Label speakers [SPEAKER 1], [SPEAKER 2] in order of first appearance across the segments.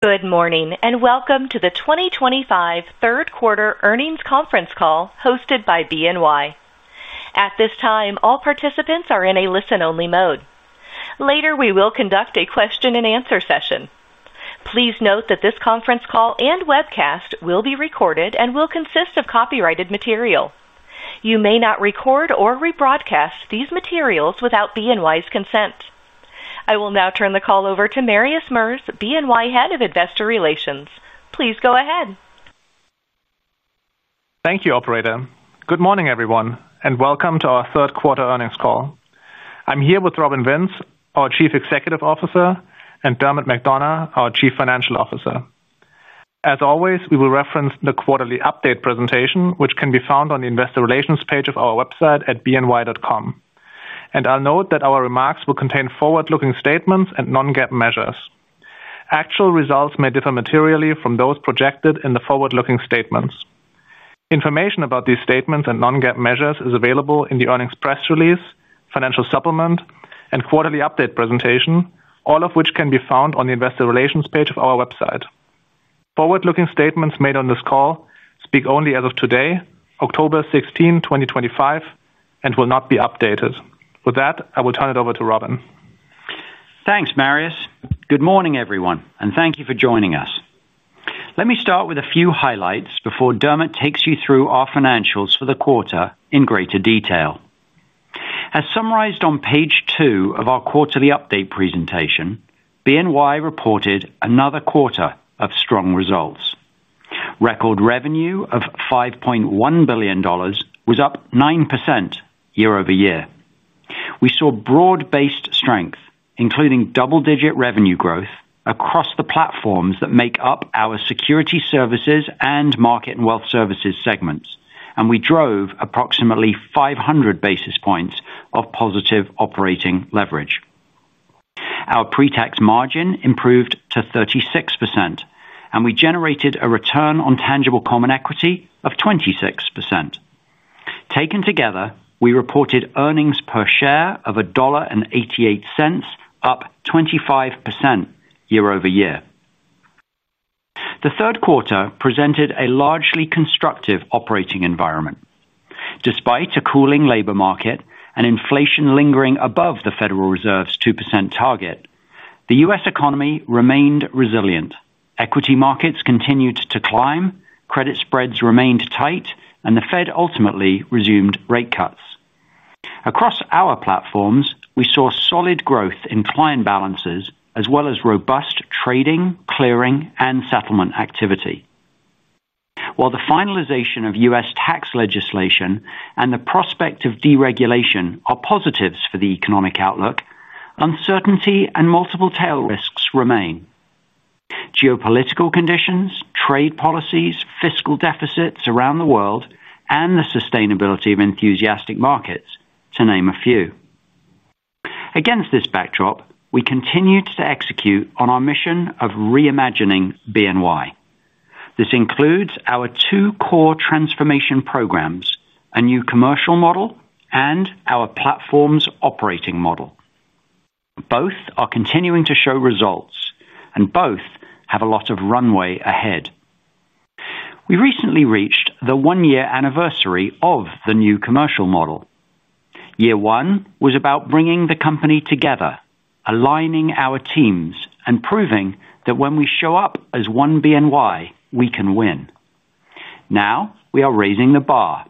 [SPEAKER 1] Good morning and welcome to the 2025 Third Quarter Earnings Conference Call hosted by BNY. At this time, all participants are in a listen-only mode. Later, we will conduct a question-and-answer session. Please note that this conference call and webcast will be recorded and will consist of copyrighted material. You may not record or rebroadcast these materials without BNY's consent. I will now turn the call over to Marius Merz, BNY Head of Investor Relations. Please go ahead.
[SPEAKER 2] Thank you, operator. Good morning, everyone, and welcome to our Third Quarter Earnings Call. I'm here with Robin Vince, our Chief Executive Officer, and Dermot McDonogh, our Chief Financial Officer. As always, we will reference the quarterly update presentation, which can be found on the Investor Relations page of our website at bny.com. I'll note that our remarks will contain forward-looking statements and non-GAAP measures. Actual results may differ materially from those projected in the forward-looking statements. Information about these statements and non-GAAP measures is available in the earnings press release, financial supplement, and quarterly update presentation, all of which can be found on the Investor Relations page of our website. Forward-looking statements made on this call speak only as of today, October 16, 2025, and will not be updated. With that, I will turn it over to Robin.
[SPEAKER 3] Thanks, Marius. Good morning, everyone, and thank you for joining us. Let me start with a few highlights before Dermot takes you through our financials for the quarter in greater detail. As summarized on page two of our quarterly update presentation, BNY reported another quarter of strong results. Record revenue of $5.1 billion was up 9% year-over-year. We saw broad-based strength, including double-digit revenue growth across the platforms that make up our Security Services and Market and Wealth Services segments, and we drove approximately 500 basis points of positive operating leverage. Our pre-tax margin improved to 36%, and we generated a return on tangible common equity of 26%. Taken together, we reported earnings per share of $1.88, up 25% year-over-year. The third quarter presented a largely constructive operating environment. Despite a cooling labor market and inflation lingering above the Federal Reserve's 2% target, the U.S. economy remained resilient. Equity markets continued to climb, credit spreads remained tight, and the Fed ultimately resumed rate cuts. Across our platforms, we saw solid growth in client balances, as well as robust trading, clearing, and settlement activity. While the finalization of U.S. tax legislation and the prospect of deregulation are positives for the economic outlook, uncertainty and multiple tail risks remain: geopolitical conditions, trade policies, fiscal deficits around the world, and the sustainability of enthusiastic markets, to name a few. Against this backdrop, we continued to execute on our mission of reimagining BNY. This includes our two core transformation programs: a new commercial model and our platforms operating model. Both are continuing to show results, and both have a lot of runway ahead. We recently reached the one-year anniversary of the new commercial model. Year one was about bringing the company together, aligning our teams, and proving that when we show up as one BNY, we can win. Now we are raising the bar.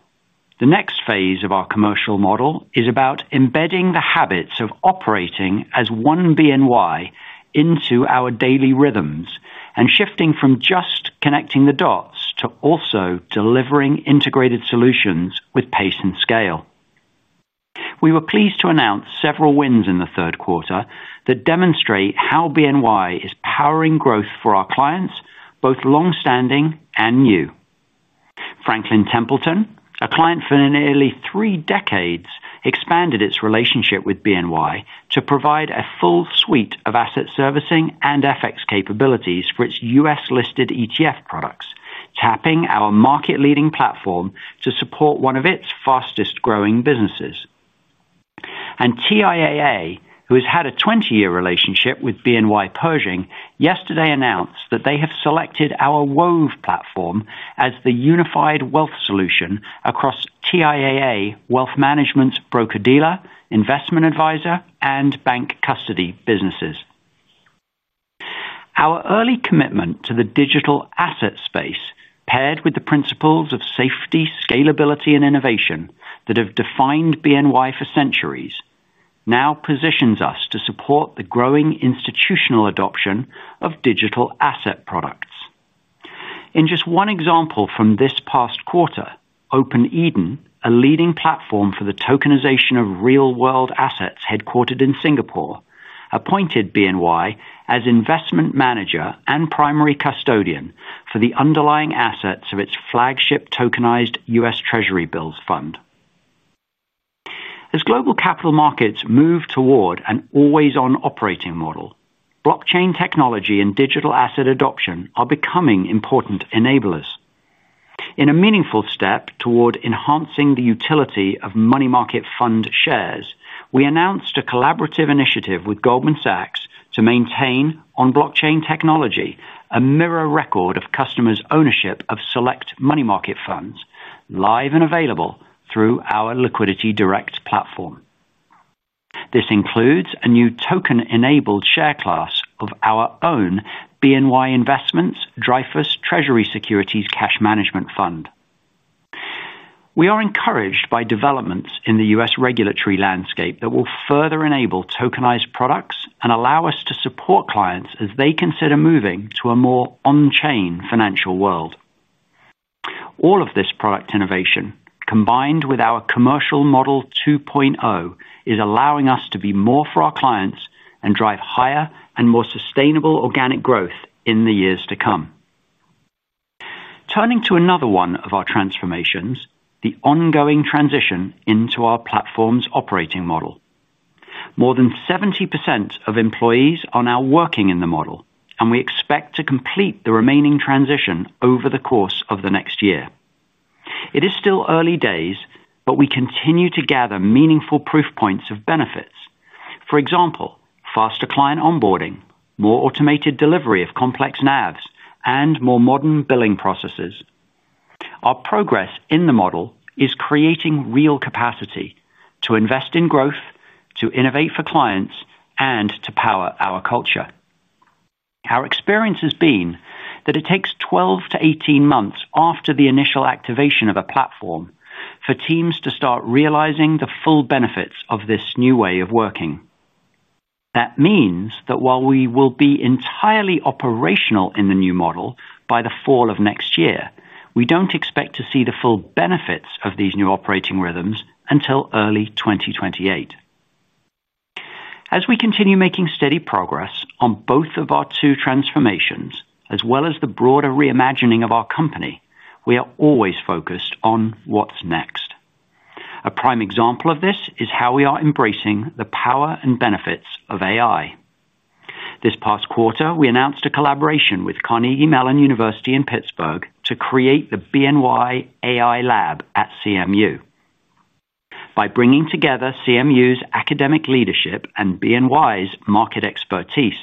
[SPEAKER 3] The next phase of our commercial model is about embedding the habits of operating as one BNY into our daily rhythms and shifting from just connecting the dots to also delivering integrated solutions with pace and scale. We were pleased to announce several wins in the third quarter that demonstrate how BNY is powering growth for our clients, both longstanding and new. Franklin Templeton, a client for nearly three decades, expanded its relationship with BNY to provide a full suite of asset servicing and FX capabilities for its U.S.-listed ETF products, tapping our market-leading platform to support one of its fastest-growing businesses. TIAA, who has had a 20-year relationship with BNY Pershing, yesterday announced that they have selected our Wove advisory platform as the unified wealth solution across TIAA Wealth Management's broker-dealer, investment advisor, and bank custody businesses. Our early commitment to the digital asset space, paired with the principles of safety, scalability, and innovation that have defined BNY for centuries, now positions us to support the growing institutional adoption of digital asset products. In just one example from this past quarter, OpenEden, a leading platform for the tokenization of real-world assets headquartered in Singapore, appointed BNY as investment manager and primary custodian for the underlying assets of its flagship tokenized U.S. Treasury Bills Fund. As global capital markets move toward an always-on operating model, blockchain technology and digital asset adoption are becoming important enablers. In a meaningful step toward enhancing the utility of money market fund shares, we announced a collaborative initiative with Goldman Sachs to maintain on blockchain technology a mirror record of customers' ownership of select money market funds, live and available through our LiquidityDirect platform. This includes a new token-enabled share class of our own BNY Investments Drivers Treasury Securities Cash Management Fund. We are encouraged by developments in the U.S. regulatory landscape that will further enable tokenized products and allow us to support clients as they consider moving to a more on-chain financial world. All of this product innovation, combined with our commercial model 2.0, is allowing us to be more for our clients and drive higher and more sustainable organic growth in the years to come. Turning to another one of our transformations, the ongoing transition into our platforms operating model. More than 70% of employees are now working in the model, and we expect to complete the remaining transition over the course of the next year. It is still early days, but we continue to gather meaningful proof points of benefits. For example, faster client onboarding, more automated delivery of complex NAVs, and more modern billing processes. Our progress in the model is creating real capacity to invest in growth, to innovate for clients, and to power our culture. Our experience has been that it takes 12-18 months after the initial activation of a platform for teams to start realizing the full benefits of this new way of working. That means that while we will be entirely operational in the new model by the fall of next year, we don't expect to see the full benefits of these new operating rhythms until early 2028. As we continue making steady progress on both of our two transformations, as well as the broader reimagining of our company, we are always focused on what's next. A prime example of this is how we are embracing the power and benefits of AI. This past quarter, we announced a collaboration with Carnegie Mellon University in Pittsburgh to create the BNY AI Lab at CMU. By bringing together CMU's academic leadership and BNY's market expertise,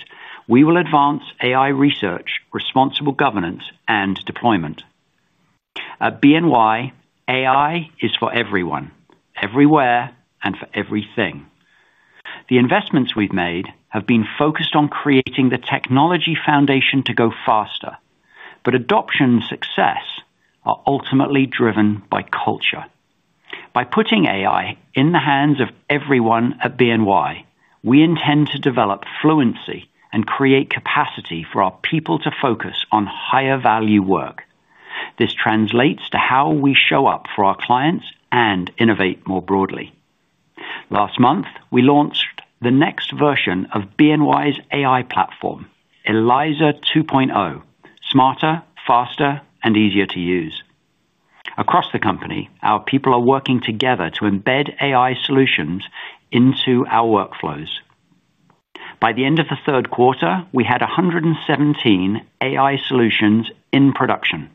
[SPEAKER 3] we will advance AI research, responsible governance, and deployment. At BNY, AI is for everyone, everywhere, and for everything. The investments we've made have been focused on creating the technology foundation to go faster, but adoption and success are ultimately driven by culture. By putting AI in the hands of everyone at BNY, we intend to develop fluency and create capacity for our people to focus on higher-value work. This translates to how we show up for our clients and innovate more broadly. Last month, we launched the next version of BNY's AI platform, ELIZA 2.0, smarter, faster, and easier to use. Across the company, our people are working together to embed AI solutions into our workflows. By the end of the third quarter, we had 117 AI solutions in production.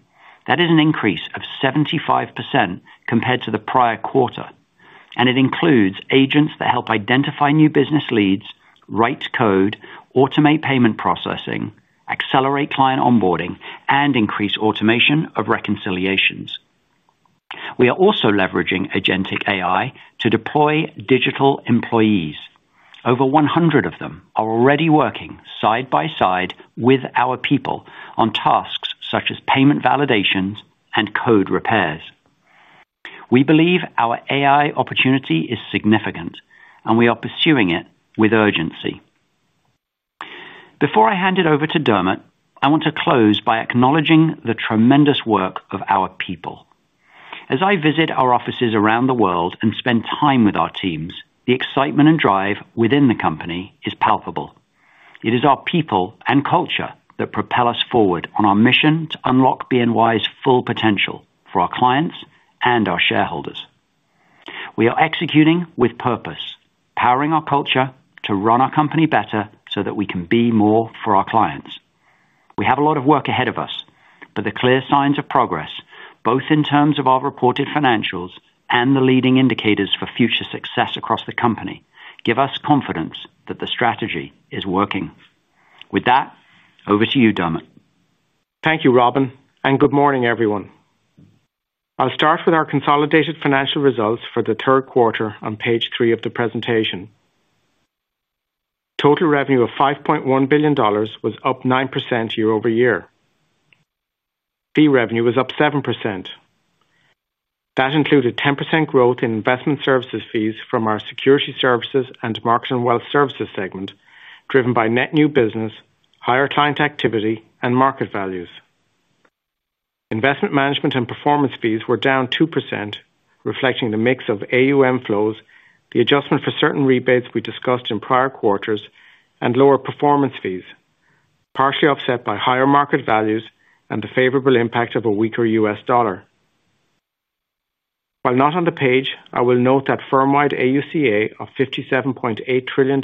[SPEAKER 3] That is an increase of 75% compared to the prior quarter, and it includes agents that help identify new business leads, write code, automate payment processing, accelerate client onboarding, and increase automation of reconciliations. We are also leveraging Agentic AI to deploy digital employees. Over 100 of them are already working side by side with our people on tasks such as payment validations and code repairs. We believe our AI opportunity is significant, and we are pursuing it with urgency. Before I hand it over to Dermot, I want to close by acknowledging the tremendous work of our people. As I visit our offices around the world and spend time with our teams, the excitement and drive within the company is palpable. It is our people and culture that propel us forward on our mission to unlock BNY's full potential for our clients and our shareholders. We are executing with purpose, powering our culture to run our company better so that we can be more for our clients. We have a lot of work ahead of us, but the clear signs of progress, both in terms of our reported financials and the leading indicators for future success across the company, give us confidence that the strategy is working. With that, over to you, Dermot.
[SPEAKER 4] Thank you, Robin, and good morning, everyone. I'll start with our consolidated financial results for the third quarter on page three of the presentation. Total revenue of $5.1 billion was up 9% year-over-year. Fee revenue was up 7%. That included 10% growth in investment services fees from our security services and market and wealth services segment, driven by net new business, higher client activity, and market values. Investment management and performance fees were down 2%, reflecting the mix of AUM flows, the adjustment for certain rebates we discussed in prior quarters, and lower performance fees, partially offset by higher market values and the favorable impact of a weaker U.S. dollar. While not on the page, I will note that firm-wide AUCA of $57.8 trillion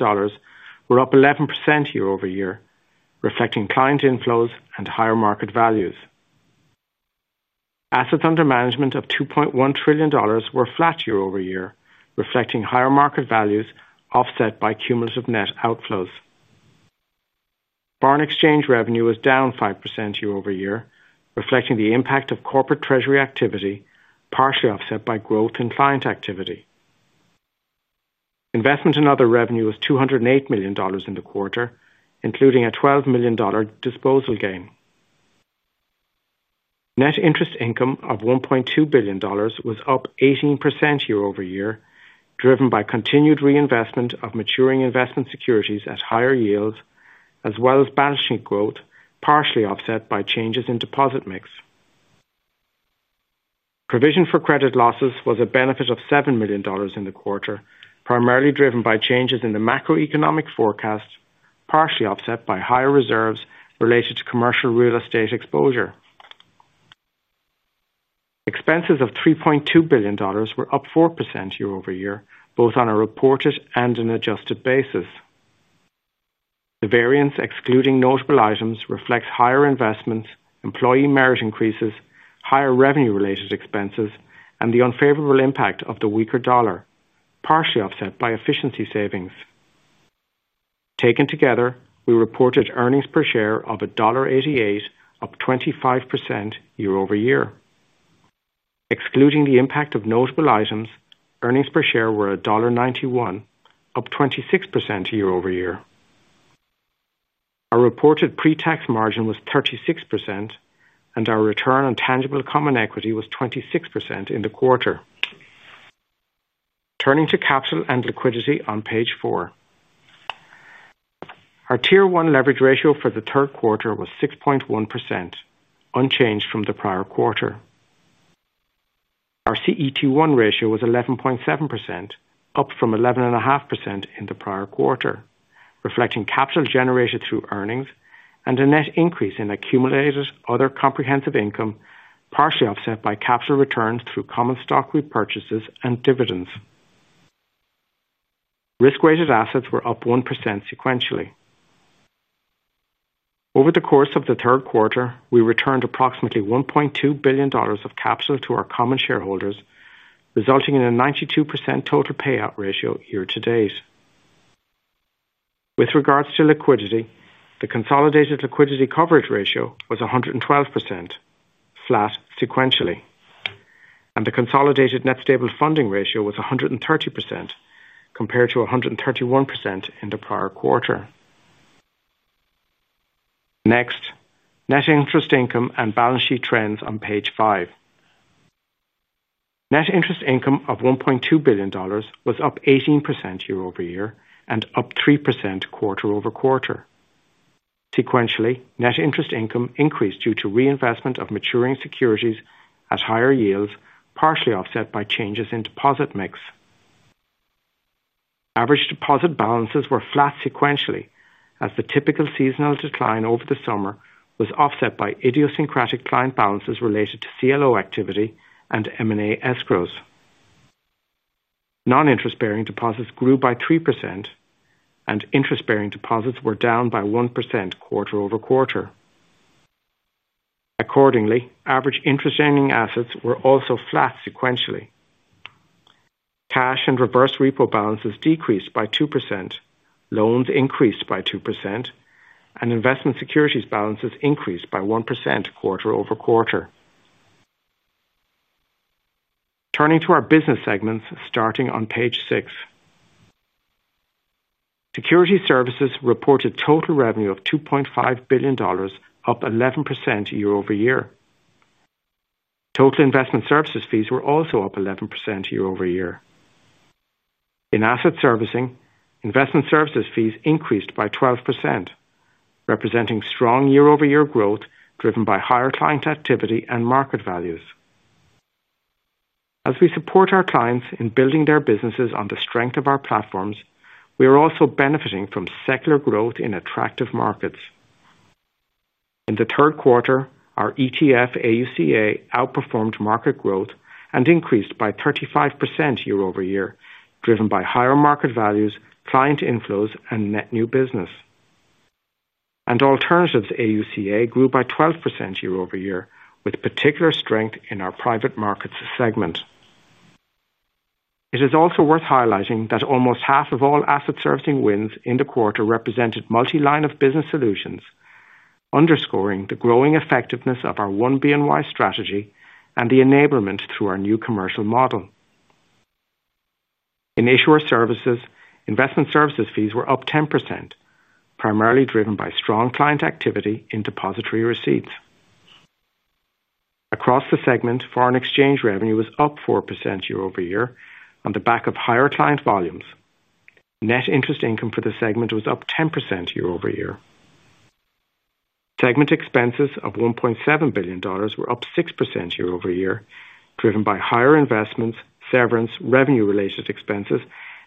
[SPEAKER 4] were up 11% year-over-year, reflecting client inflows and higher market values. Assets under management of $2.1 trillion were flat year-over-year, reflecting higher market values offset by cumulative net outflows. Foreign exchange revenue was down 5% year-over-year, reflecting the impact of corporate treasury activity, partially offset by growth in client activity. Investment and other revenue was $208 million in the quarter, including a $12 million disposal gain. Net interest income of $1.2 billion was up 18% year-over-year, driven by continued reinvestment of maturing investment securities at higher yields, as well as balancing growth, partially offset by changes in deposit mix. Provision for credit losses was a benefit of $7 million in the quarter, primarily driven by changes in the macroeconomic forecast, partially offset by higher reserves related to commercial real estate exposure. Expenses of $3.2 billion were up 4% year-over-year, both on a reported and an adjusted basis. The variance excluding notable items reflects higher investments, employee merit increases, higher revenue-related expenses, and the unfavorable impact of the weaker dollar, partially offset by efficiency savings. Taken together, we reported earnings per share of $1.88, up 25% year-over-year. Excluding the impact of notable items, earnings per share were $1.91, up 26% year-over-year. Our reported pre-tax margin was 36%, and our return on tangible common equity was 26% in the quarter. Turning to capital and liquidity on page four, our tier one leverage ratio for the third quarter was 6.1%, unchanged from the prior quarter. Our CET1 ratio was 11.7%, up from 11.5% in the prior quarter, reflecting capital generated through earnings and a net increase in accumulated other comprehensive income, partially offset by capital returns through common stock repurchases and dividends. Risk-weighted assets were up 1% sequentially. Over the course of the third quarter, we returned approximately $1.2 billion of capital to our common shareholders, resulting in a 92% total payout ratio year-to-date. With regards to liquidity, the consolidated liquidity coverage ratio was 112%, flat sequentially, and the consolidated net stable funding ratio was 130%, compared to 131% in the prior quarter. Next, net interest income and balance sheet trends on page five. Net interest income of $1.2 billion was up 18% year-over-year and up 3% quarter-over- quarter. Sequentially, net interest income increased due to reinvestment of maturing securities at higher yields, partially offset by changes in deposit mix. Average deposit balances were flat sequentially, as the typical seasonal decline over the summer was offset by idiosyncratic client balances related to CLO activity and M&A escrows. Non-interest-bearing deposits grew by 3%, and interest-bearing deposits were down by 1% quarter-over-quarter. Accordingly, average interest earning assets were also flat sequentially. Cash and reverse repo balances decreased by 2%, loans increased by 2%, and investment securities balances increased by 1% quarter-over-quarter. Turning to our business segments, starting on page six, security services reported total revenue of $2.5 billion, up 11% year-over-year. Total investment services fees were also up 11% year-over-year. In asset servicing, investment services fees increased by 12%, representing strong year-over-year growth driven by higher client activity and market values. As we support our clients in building their businesses on the strength of our platforms, we are also benefiting from secular growth in attractive markets. In the third quarter, our ETF AUCA outperformed market growth and increased by 35% year-over-year, driven by higher market values, client inflows, and net new business. Alternatives AUCA grew by 12% year-over-year, with particular strength in our private markets segment. It is also worth highlighting that almost half of all asset servicing wins in the quarter represented multi-line of business solutions, underscoring the growing effectiveness of our One BNY strategy and the enablement through our new commercial model. In issuer services, investment services fees were up 10%, primarily driven by strong client activity in depository receipts. Across the segment, foreign exchange revenue was up 4% year-over-year on the back of higher client volumes. Net interest income for the segment was up 10% year-over-year. Segment expenses of $1.7 billion were up 6% year-over-year, driven by higher investments, severance, revenue-related expenses,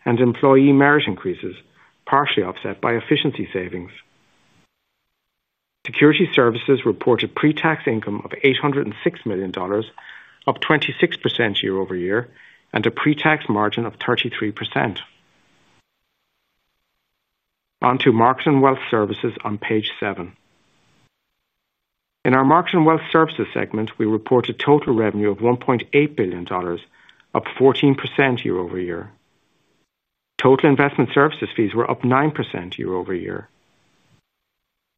[SPEAKER 4] and employee merit increases, partially offset by efficiency savings. Security services reported pre-tax income of $806 million, up 26% year-over-year, and a pre-tax margin of 33%. On to market and wealth services on page seven. In our Market and Wealth Services segment, we reported total revenue of $1.8 billion, up 14% year-over-year. Total investment services fees were up 9% year-over-year.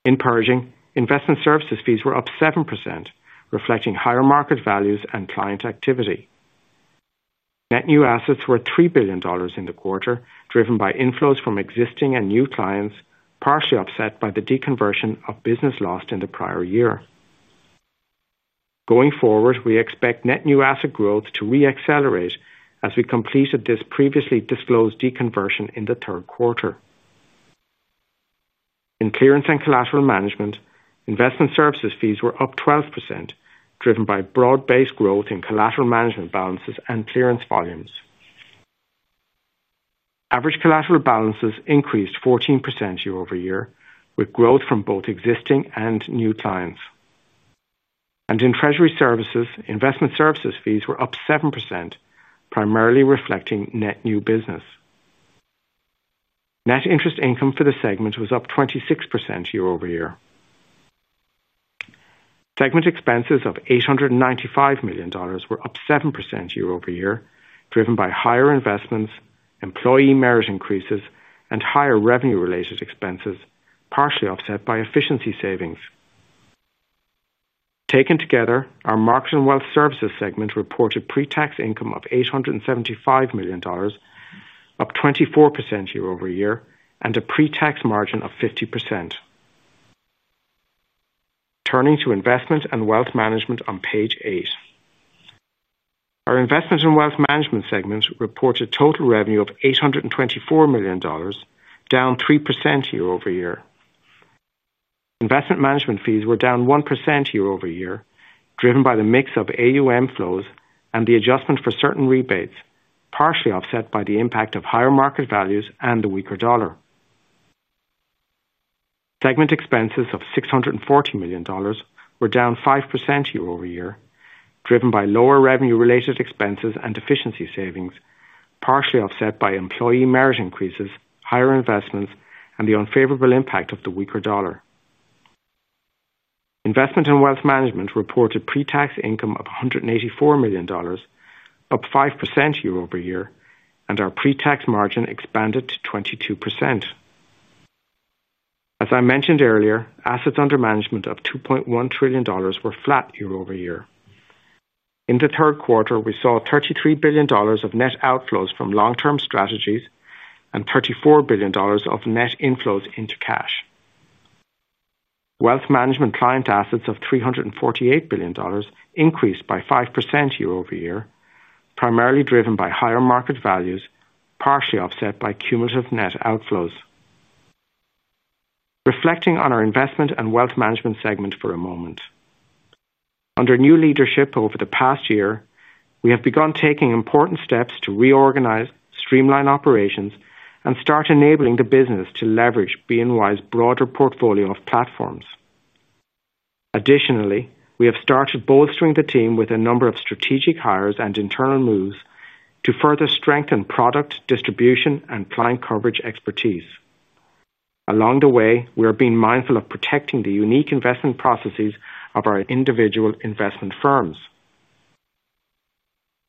[SPEAKER 4] In Pershing, investment services fees were up 7%, reflecting higher market values and client activity. Net new assets were $3 billion in the quarter, driven by inflows from existing and new clients, partially offset by the deconversion of business lost in the prior year. Going forward, we expect net new asset growth to re-accelerate as we completed this previously disclosed deconversion in the third quarter. In clearance and collateral management, investment services fees were up 12%, driven by broad-based growth in collateral management balances and clearance volumes. Average collateral balances increased 14% year-over-year, with growth from both existing and new clients. In treasury services, investment services fees were up 7%, primarily reflecting net new business. Net interest income for the segment was up 26% year-over-year. Segment expenses of $895 million were up 7% year-over-year, driven by higher investments, employee merit increases, and higher revenue-related expenses, partially offset by efficiency savings. Taken together, our Market and Wealth Services segment reported pre-tax income of $875 million, up 24% year-over-year, and a pre-tax margin of 50%. Turning to investment and wealth management on page eight, our Investment and Wealth Management segments reported total revenue of $824 million, down 3% year-over-year. Investment management fees were down 1% year-over-year, driven by the mix of AUM flows and the adjustment for certain rebates, partially offset by the impact of higher market values and the weaker dollar. Segment expenses of $640 million were down 5% year-over-year, driven by lower revenue-related expenses and efficiency savings, partially offset by employee merit increases, higher investments, and the unfavorable impact of the weaker dollar. Investment and wealth management reported pre-tax income of $184 million, up 5% year-over-year, and our pre-tax margin expanded to 22%. As I mentioned earlier, assets under management of $2.1 trillion were flat year-over-year. In the third quarter, we saw $33 billion of net outflows from long-term strategies and $34 billion of net inflows into cash. Wealth management client assets of $348 billion increased by 5% year-over-year, primarily driven by higher market values, partially offset by cumulative net outflows. Reflecting on our investment and wealth management segment for a moment, under new leadership over the past year, we have begun taking important steps to reorganize, streamline operations, and start enabling the business to leverage BNY's broader portfolio of platforms. Additionally, we have started bolstering the team with a number of strategic hires and internal moves to further strengthen product distribution and client coverage expertise. Along the way, we are being mindful of protecting the unique investment processes of our individual investment firms.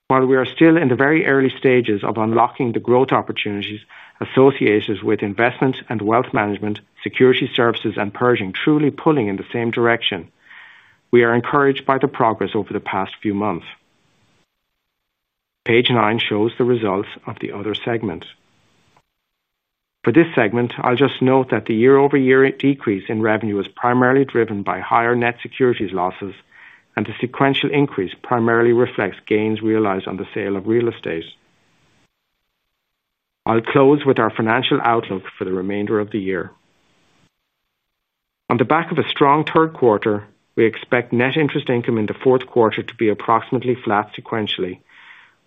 [SPEAKER 4] While we are still in the very early stages of unlocking the growth opportunities associated with investment and wealth management, security services, and Pershing truly pulling in the same direction, we are encouraged by the progress over the past few months. Page nine shows the results of the other segment. For this segment, I'll just note that the year-over-year decrease in revenue is primarily driven by higher net securities losses, and the sequential increase primarily reflects gains realized on the sale of real estate. I'll close with our financial outlook for the remainder of the year. On the back of a strong third quarter, we expect net interest income in the fourth quarter to be approximately flat sequentially,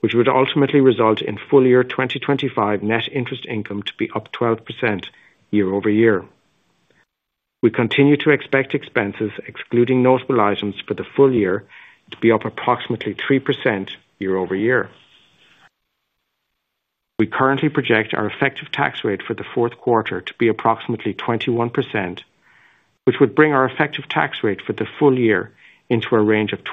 [SPEAKER 4] which would ultimately result in full year 2025 net interest income to be up 12% year-over-ear. We continue to expect expenses, excluding notable items, for the full year to be up approximately 3% year-over-year. We currently project our effective tax rate for the fourth quarter to be approximately 21%, which would bring our effective tax rate for the full year into a range of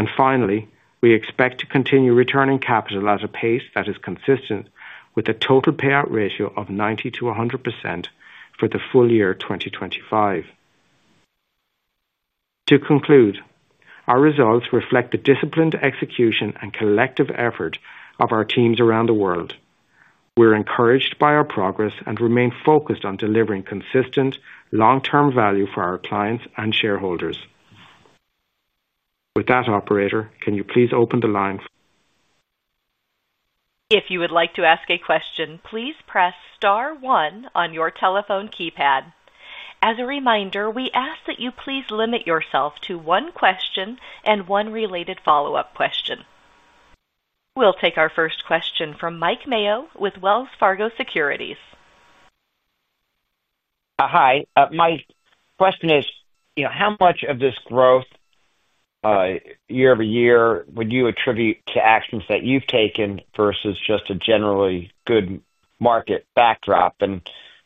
[SPEAKER 4] 21%-22%. Finally, we expect to continue returning capital at a pace that is consistent with the total payout ratio of 90%-100% for the full year 2025. To conclude, our results reflect the disciplined execution and collective effort of our teams around the world. We're encouraged by our progress and remain focused on delivering consistent long-term value for our clients and shareholders. With that, operator, can you please open the line?
[SPEAKER 1] If you would like to ask a question, please press star one on your telephone keypad. As a reminder, we ask that you please limit yourself to one question and one related follow-up question. We'll take our first question from Mike Mayo with Wells Fargo Securities.
[SPEAKER 5] Hi. My question is, how much of this growth year over year would you attribute to actions that you've taken versus just a generally good market backdrop?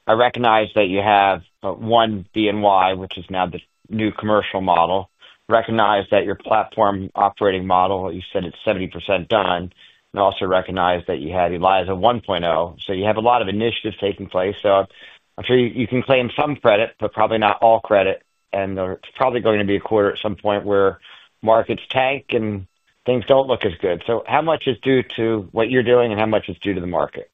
[SPEAKER 5] I recognize that you have One BNY, which is now the new commercial model. I recognize that your platform operating model, you said it's 70% done. I also recognize that you have ELIZA 1.0. You have a lot of initiatives taking place. I'm sure you can claim some credit, but probably not all credit. There's probably going to be a quarter at some point where markets tank and things don't look as good. How much is due to what you're doing and how much is due to the market?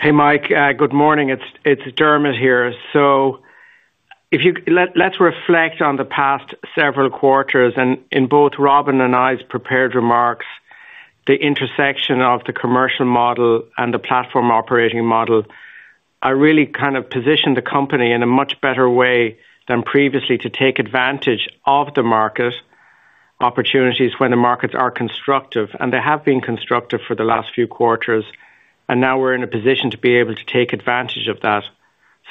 [SPEAKER 4] Hey, Mike. Good morning. It's Dermot here. Let's reflect on the past several quarters. In both Robin and my prepared remarks, the intersection of the commercial model and the platform operating model really kind of positioned the company in a much better way than previously to take advantage of the market opportunities when the markets are constructive. They have been constructive for the last few quarters. Now we're in a position to be able to take advantage of that.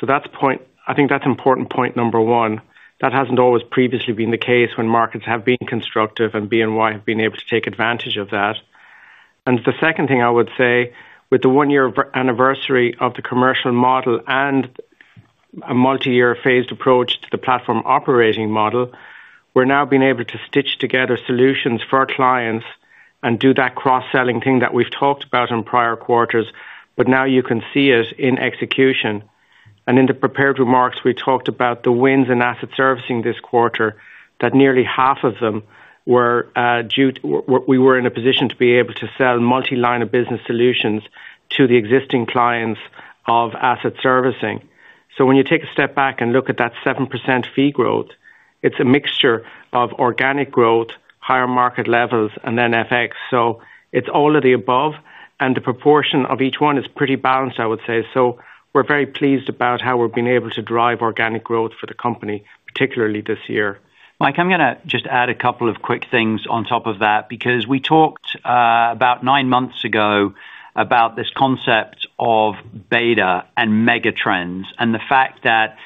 [SPEAKER 4] That's a point I think that's an important point, number one. That hasn't always previously been the case when markets have been constructive and BNY has been able to take advantage of that. The second thing I would say, with the one-year anniversary of the commercial model and a multi-year phased approach to the platform operating model, we're now being able to stitch together solutions for our clients and do that cross-selling thing that we've talked about in prior quarters. Now you can see it in execution. In the prepared remarks, we talked about the wins in asset servicing this quarter, that nearly half of them were due to we were in a position to be able to sell multi-line of business solutions to the existing clients of asset servicing. When you take a step back and look at that 7% fee growth, it's a mixture of organic growth, higher market levels, and then FX. It's all of the above. The proportion of each one is pretty balanced, I would say. We're very pleased about how we're being able to drive organic growth for the company, particularly this year.
[SPEAKER 3] Mike, I'm going to just add a couple of quick things on top of that because we talked about nine months ago about this concept of beta and mega trends and the fact that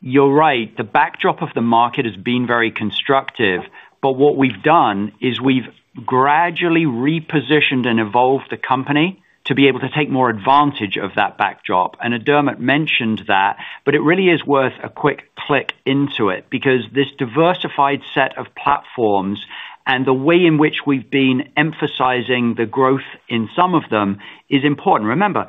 [SPEAKER 3] you're right, the backdrop of the market has been very constructive. What we've done is we've gradually repositioned and evolved the company to be able to take more advantage of that backdrop. Dermot mentioned that. It really is worth a quick click into it because this diversified set of platforms and the way in which we've been emphasizing the growth in some of them is important. Remember,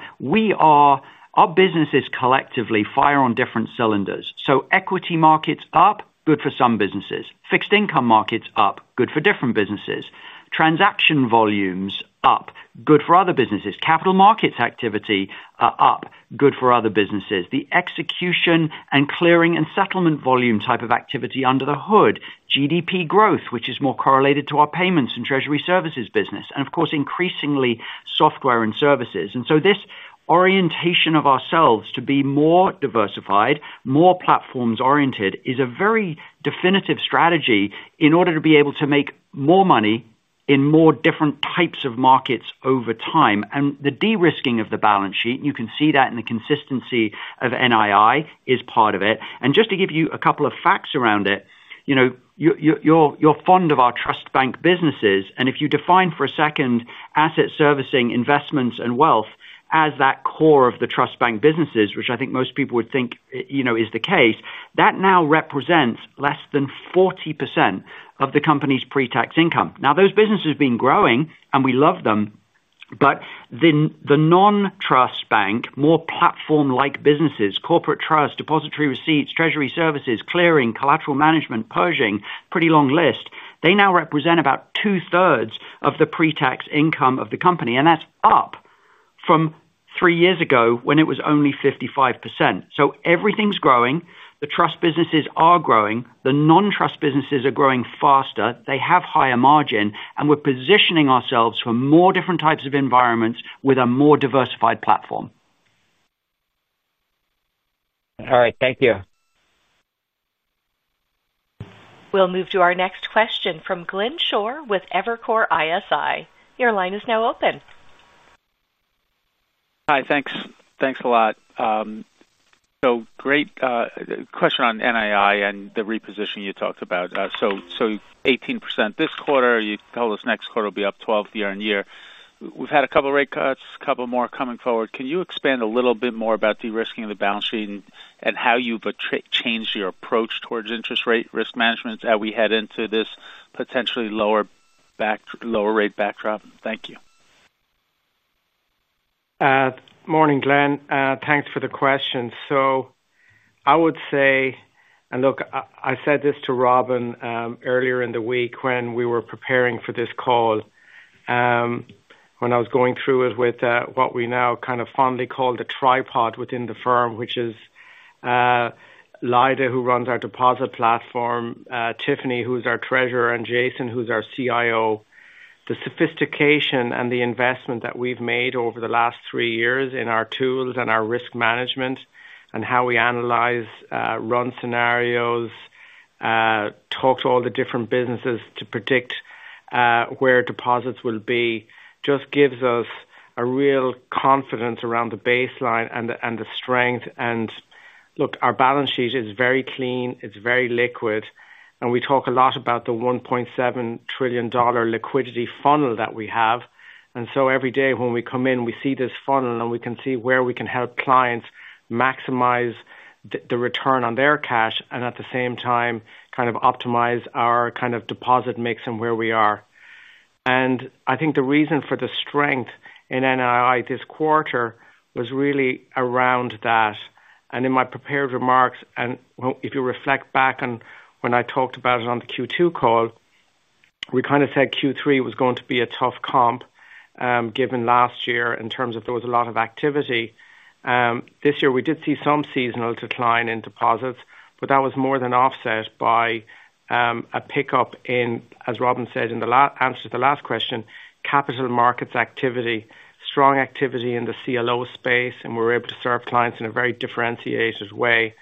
[SPEAKER 3] our businesses collectively fire on different cylinders. Equity markets up, good for some businesses. Fixed income markets up, good for different businesses. Transaction volumes up, good for other businesses. Capital markets activity up, good for other businesses. The execution and clearing and settlement volume type of activity under the hood, GDP growth, which is more correlated to our payments and treasury services business, and of course, increasingly, software and services. This orientation of ourselves to be more diversified, more platforms-oriented is a very definitive strategy in order to be able to make more money in more different types of markets over time. The de-risking of the balance sheet, and you can see that in the consistency of NII, is part of it. Just to give you a couple of facts around it, you know you're fond of our trust bank businesses. If you define for a second asset servicing, investments, and wealth as that core of the trust bank businesses, which I think most people would think is the case, that now represents less than 40% of the company's pre-tax income. Those businesses have been growing, and we love them. The non-trust bank, more platform-like businesses, corporate trust, depository receipts, treasury services, clearing, collateral management, Pershing, pretty long list, they now represent about two-thirds of the pre-tax income of the company. That's up from three years ago when it was only 55%. Everything's growing. The trust businesses are growing. The non-trust businesses are growing faster. They have higher margin. We're positioning ourselves for more different types of environments with a more diversified platform.
[SPEAKER 5] All right. Thank you.
[SPEAKER 1] will move to our next question from Glenn Schorr with Evercore ISI. Your line is now open.
[SPEAKER 6] Hi. Thanks. Thanks a lot. Great question on NII and the repositioning you talked about. 18% this quarter. You told us next quarter will be up 12% year-on-year. We've had a couple of rate cuts, a couple more coming forward. Can you expand a little bit more about de-risking the balance sheet and how you've changed your approach towards interest rate risk management as we head into this potentially lower rate backdrop? Thank you.
[SPEAKER 4] Morning, Glenn. Thanks for the question. I would say, and look, I said this to Robin earlier in the week when we were preparing for this call, when I was going through it with what we now kind of fondly call the tripod within the firm, which is Lyda, who runs our deposit platform, Tiffany, who's our Treasurer, and Jason, who's our CIO. The sophistication and the investment that we've made over the last three years in our tools and our risk management and how we analyze, run scenarios, talk to all the different businesses to predict where deposits will be just gives us a real confidence around the baseline and the strength. Our balance sheet is very clean. It's very liquid. We talk a lot about the $1.7 trillion liquidity funnel that we have. Every day when we come in, we see this funnel, and we can see where we can help clients maximize the return on their cash and at the same time kind of optimize our kind of deposit mix and where we are. I think the reason for the strength in NII this quarter was really around that. In my prepared remarks, and if you reflect back on when I talked about it on the Q2 call, we kind of said Q3 was going to be a tough comp, given last year in terms of there was a lot of activity. This year we did see some seasonal decline in deposits, but that was more than offset by a pickup in, as Robin said, in the answer to the last question, capital markets activity, strong activity in the CLO space. We were able to serve clients in a very differentiated way.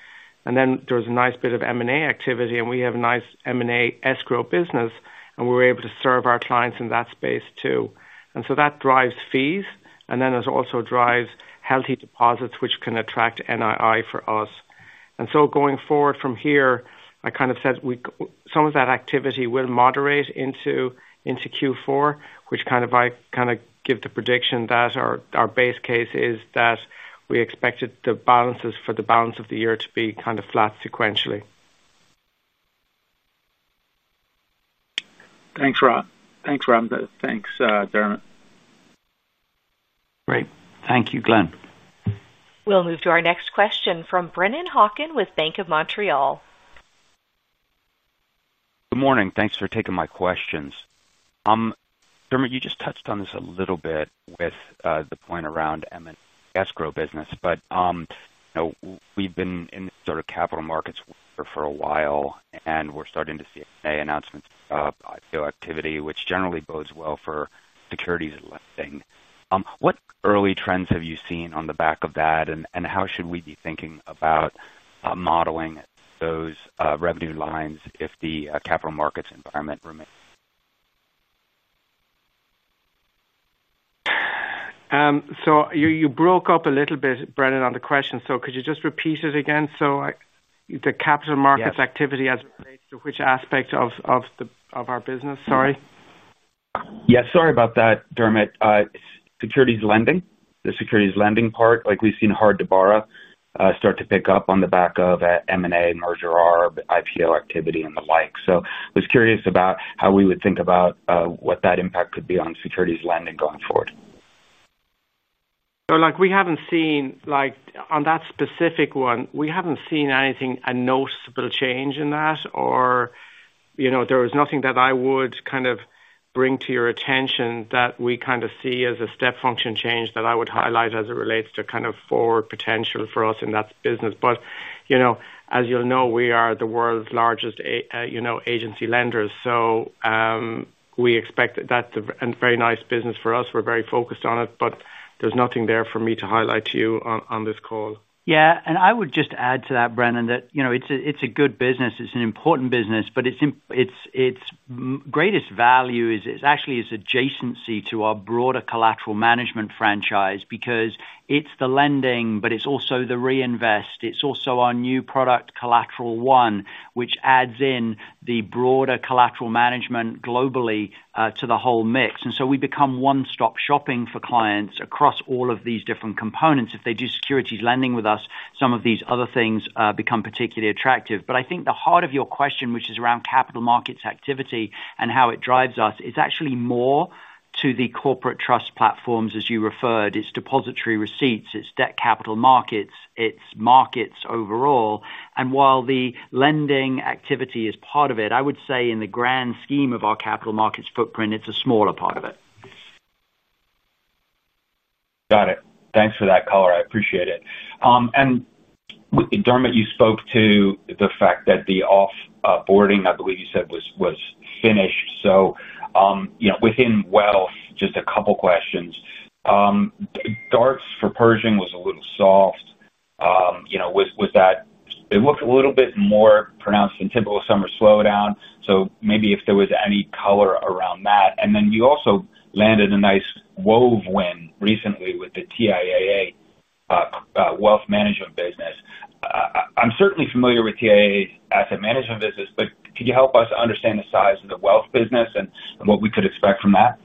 [SPEAKER 4] There was a nice bit of M&A activity, and we have a nice M&A escrow business. We were able to serve our clients in that space too. That drives fees. It also drives healthy deposits, which can attract NII for us. Going forward from here, I kind of said some of that activity will moderate into Q4, which kind of I kind of give the prediction that our base case is that we expected the balances for the balance of the year to be kind of flat sequentially.
[SPEAKER 6] Thanks, Rob. Thanks, Rob. Thanks, Dermot.
[SPEAKER 3] Great. Thank you, Glynn.
[SPEAKER 1] We'll move to our next question from Brennan Hawken with Bank of Montreal.
[SPEAKER 7] Good morning. Thanks for taking my questions. Dermot, you just touched on this a little bit with the point around M&A escrow business. You know we've been in this sort of capital markets for a while, and we're starting to see M&A announcements of IPO activity, which generally bodes well for securities lending. What early trends have you seen on the back of that, and how should we be thinking about modeling those revenue lines if the capital markets environment remains?
[SPEAKER 4] You broke up a little bit, Brennan, on the question. Could you just repeat it again? The capital markets activity as it relates to which aspect of our business? Sorry.
[SPEAKER 7] Sorry about that, Dermot. Securities lending, the securities lending part, like we've seen hard to borrow start to pick up on the back of M&A, merger arb, IPO activity, and the like. I was curious about how we would think about what that impact could be on securities lending going forward.
[SPEAKER 4] We haven't seen on that specific one, we haven't seen anything, a noticeable change in that. There was nothing that I would kind of bring to your attention that we kind of see as a step function change that I would highlight as it relates to forward potential for us in that business. As you'll know, we are the world's largest agency lenders. We expect that's a very nice business for us. We're very focused on it. There's nothing there for me to highlight to you on this call.
[SPEAKER 3] Yeah. I would just add to that, Brennan, that you know it's a good business. It's an important business. Its greatest value is actually its adjacency to our broader collateral management franchise because it's the lending, but it's also the reinvest. It's also our new product, CollateralOne, which adds in the broader collateral management globally to the whole mix. We become one-stop shopping for clients across all of these different components. If they do securities lending with us, some of these other things become particularly attractive. I think the heart of your question, which is around capital markets activity and how it drives us, is actually more to the corporate trust platforms, as you referred. It's depository receipts. It's debt capital markets. It's markets overall. While the lending activity is part of it, I would say in the grand scheme of our capital markets footprint, it's a smaller part of it.
[SPEAKER 7] Got it. Thanks for that caller. I appreciate it. Dermot, you spoke to the fact that the offboarding, I believe you said, was finished. Within wealth, just a couple of questions. Darts for Pershing was a little soft. It looked a little bit more pronounced than typical summer slowdown. If there was any color around that. You also landed a nice Wove win recently with the TIAA Wealth Management business. I'm certainly familiar with TIAA's asset management business, but could you help us understand the size of the wealth business and what we could expect from that?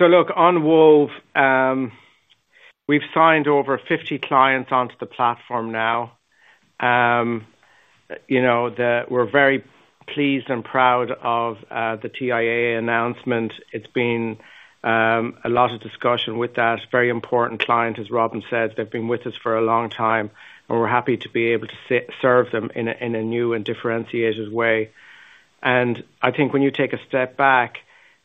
[SPEAKER 4] Look, on Wove, we've signed over 50 clients onto the platform now. We're very pleased and proud of the TIAA announcement. It's been a lot of discussion with that. Very important clients, as Robin says, they've been with us for a long time, and we're happy to be able to serve them in a new and differentiated way. I think when you take a step back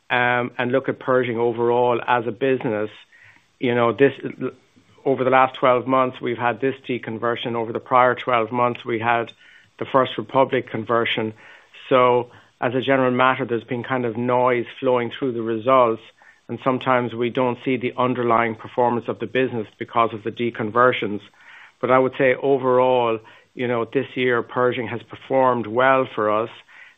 [SPEAKER 4] and look at Pershing overall as a business, over the last 12 months, we've had this deconversion. Over the prior 12 months, we had the First Republic conversion. As a general matter, there's been kind of noise flowing through the results. Sometimes we don't see the underlying performance of the business because of the deconversions. I would say overall, this year, Pershing has performed well for us.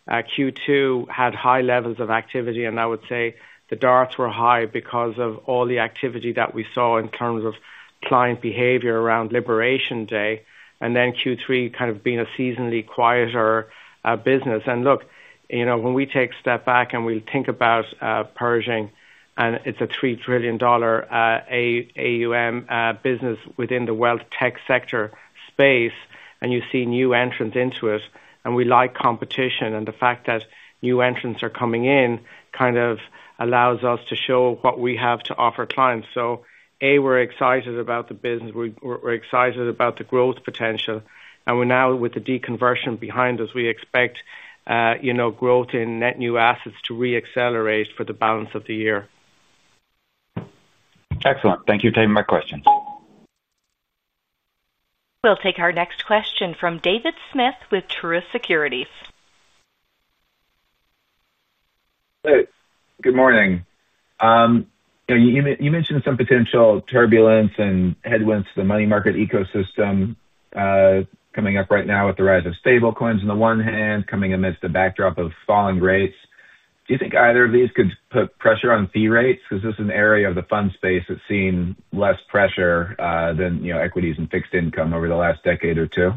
[SPEAKER 4] Q2 had high levels of activity, and I would say the DARTs were high because of all the activity that we saw in terms of client behavior around Liberation Day. Q3 kind of being a seasonally quieter business. When we take a step back and we think about Pershing, and it's a $3 trillion AUM business within the wealth tech sector space, you see new entrants into it, and we like competition. The fact that new entrants are coming in kind of allows us to show what we have to offer clients. We're excited about the business. We're excited about the growth potential. We're now with the deconversion behind us, and we expect growth in net new assets to re-accelerate for the balance of the year.
[SPEAKER 7] Excellent. Thank you for taking my questions.
[SPEAKER 1] We'll take our next question from David Smith with Truist Securities.
[SPEAKER 8] Good morning. You mentioned some potential turbulence and headwinds to the money market ecosystem coming up right now with the rise of stablecoins on the one hand, coming amidst a backdrop of falling rates. Do you think either of these could put pressure on fee rates? This is an area of the fund space that's seen less pressure than equities and fixed income over the last decade or two.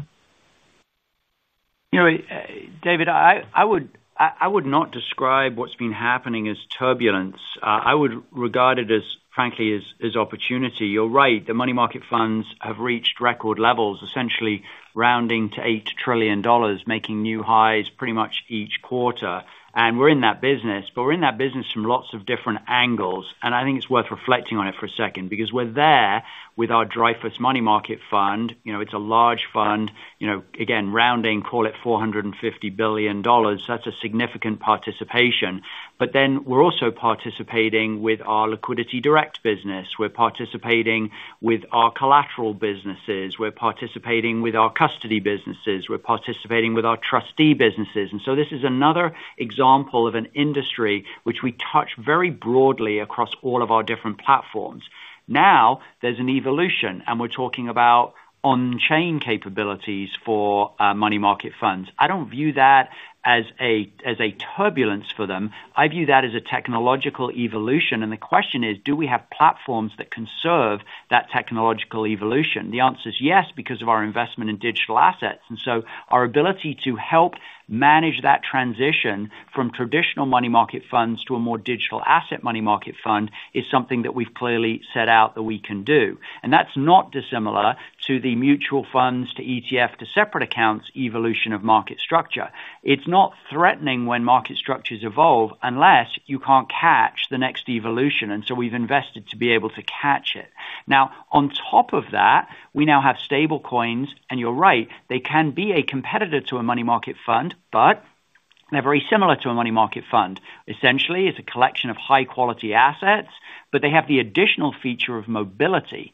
[SPEAKER 3] David, I would not describe what's been happening as turbulence. I would regard it, frankly, as opportunity. You're right. The money market funds have reached record levels, essentially rounding to $8 trillion, making new highs pretty much each quarter. We're in that business from lots of different angles. I think it's worth reflecting on it for a second because we're there with our Dreyfus Money Market Fund. It's a large fund. Again, rounding, call it $450 billion. That's a significant participation. We're also participating with our LiquidityDirect business, our collateral businesses, our custody businesses, and our trustee businesses. This is another example of an industry which we touch very broadly across all of our different platforms. Now there's an evolution, and we're talking about on-chain capabilities for money market funds. I don't view that as turbulence for them. I view that as a technological evolution. The question is, do we have platforms that can serve that technological evolution? The answer is yes, because of our investment in digital assets. Our ability to help manage that transition from traditional money market funds to a more digital asset money market fund is something that we've clearly set out that we can do. That's not dissimilar to the mutual funds, to ETF, to separate accounts' evolution of market structure. It's not threatening when market structures evolve unless you can't catch the next evolution. We've invested to be able to catch it. On top of that, we now have stable coins. You're right, they can be a competitor to a money market fund, but they're very similar to a money market fund. Essentially, it's a collection of high-quality assets, but they have the additional feature of mobility.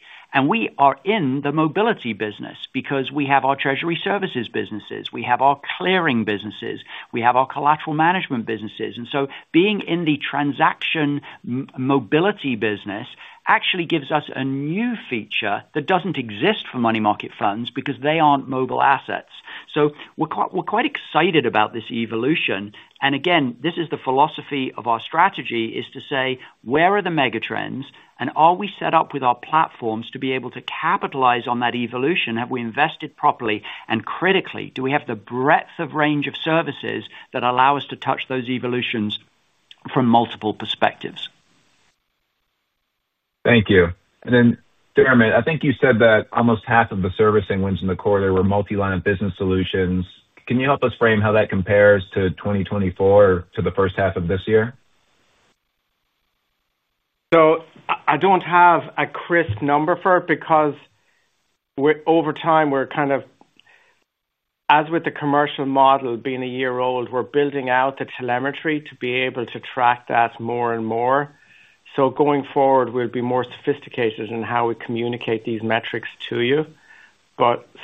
[SPEAKER 3] We are in the mobility business because we have our treasury services businesses, our clearing businesses, and our collateral management businesses. Being in the transaction mobility business actually gives us a new feature that doesn't exist for money market funds because they aren't mobile assets. We're quite excited about this evolution. This is the philosophy of our strategy, to say, where are the megatrends? Are we set up with our platforms to be able to capitalize on that evolution? Have we invested properly? Critically, do we have the breadth of range of services that allow us to touch those evolutions from multiple perspectives?
[SPEAKER 8] Thank you. Dermot, I think you said that almost half of the servicing wins in the quarter were multi-line of business solutions. Can you help us frame how that compares to 2024, to the first half of this year?
[SPEAKER 4] I don't have a crisp number for it because over time, we're kind of, as with the commercial model being a year old, we're building out the telemetry to be able to track that more and more. Going forward, we'll be more sophisticated in how we communicate these metrics to you.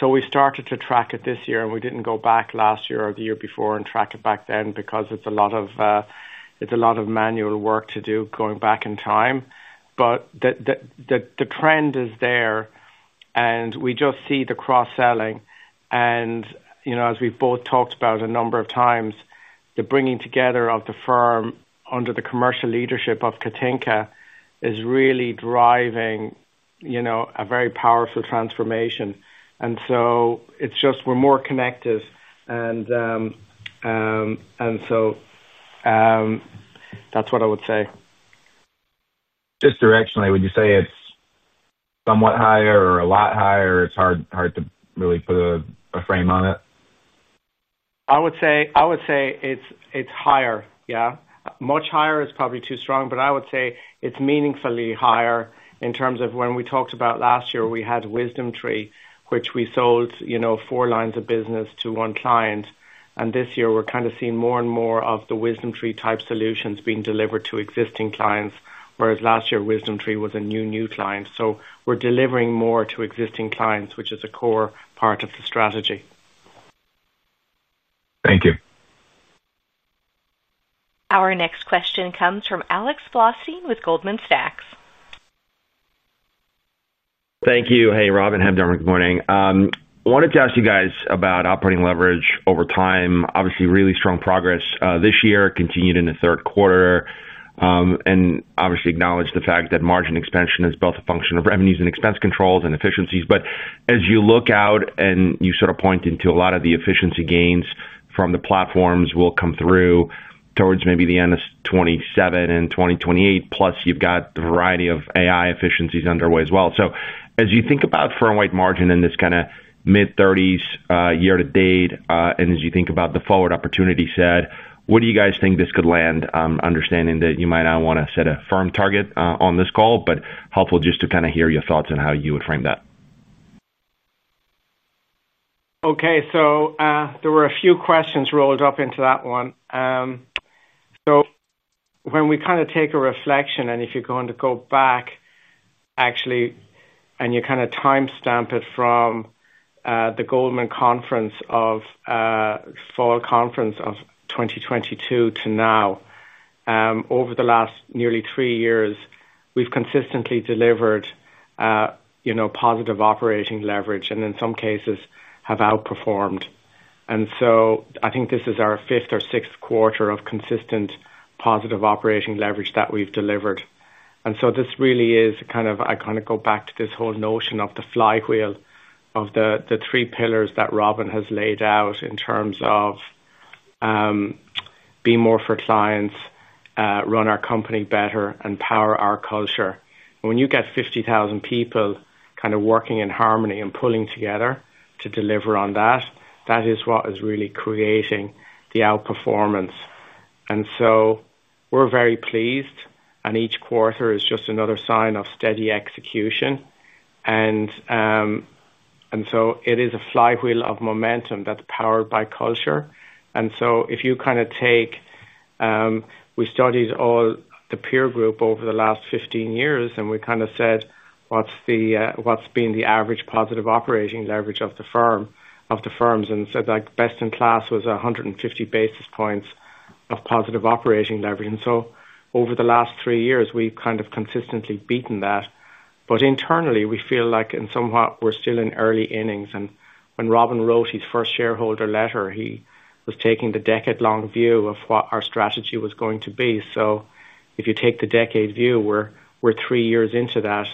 [SPEAKER 4] We started to track it this year, and we didn't go back last year or the year before and track it back then because it's a lot of manual work to do going back in time. The trend is there. We just see the cross-selling. As we've both talked about a number of times, the bringing together of the firm under the commercial leadership of Katinka is really driving a very powerful transformation. We're more connected, and that's what I would say.
[SPEAKER 8] Just directionally, would you say it's somewhat higher or a lot higher? It's hard to really put a frame on it.
[SPEAKER 4] I would say it's higher. Much higher is probably too strong, but I would say it's meaningfully higher in terms of when we talked about last year. We had WisdomTree, which we sold four lines of business to one client, and this year we're kind of seeing more and more of the WisdomTree-type solutions being delivered to existing clients, whereas last year, WisdomTree was a new new client. We're delivering more to existing clients, which is a core part of the strategy.
[SPEAKER 8] Thank you.
[SPEAKER 1] Our next question comes from Alex Blostein with Goldman Sachs.
[SPEAKER 9] Thank you. Hey, Robin. Hi, Dermot. Good morning. I wanted to ask you guys about operating leverage over time. Obviously, really strong progress this year, continued in the third quarter, and I acknowledge the fact that margin expansion is both a function of revenues and expense controls and efficiencies. As you look out and you sort of point into a lot of the efficiency gains from the platforms will come through towards maybe the end of 2027 and 2028. Plus, you've got the variety of AI efficiencies underway as well. As you think about firm-wide margin in this kind of mid-30% year-to-date, and as you think about the forward opportunity set, where do you guys think this could land, understanding that you might not want to set a firm target on this call, but helpful just to kind of hear your thoughts on how you would frame that?
[SPEAKER 4] Okay. There were a few questions rolled up into that one. When we take a reflection, and if you're going to go back and timestamp it from the Goldman Conference of Fall Conference of 2022 to now, over the last nearly three years, we've consistently delivered positive operating leverage and in some cases have outperformed. I think this is our fifth or sixth quarter of consistent positive operating leverage that we've delivered. This really is kind of, I go back to this whole notion of the flywheel of the three pillars that Robin has laid out in terms of be more for clients, run our company better, and power our culture. When you get 50,000 people working in harmony and pulling together to deliver on that, that is what is really creating the outperformance. We're very pleased. Each quarter is just another sign of steady execution. It is a flywheel of momentum that's powered by culture. If you take, we studied all the peer group over the last 15 years, and we said, what's been the average positive operating leverage of the firms? Best in class was 150 bps of positive operating leverage. Over the last three years, we've consistently beaten that. Internally, we feel like in some ways we're still in early innings. When Robin wrote his first shareholder letter, he was taking the decade-long view of what our strategy was going to be. If you take the decade view, we're three years into that.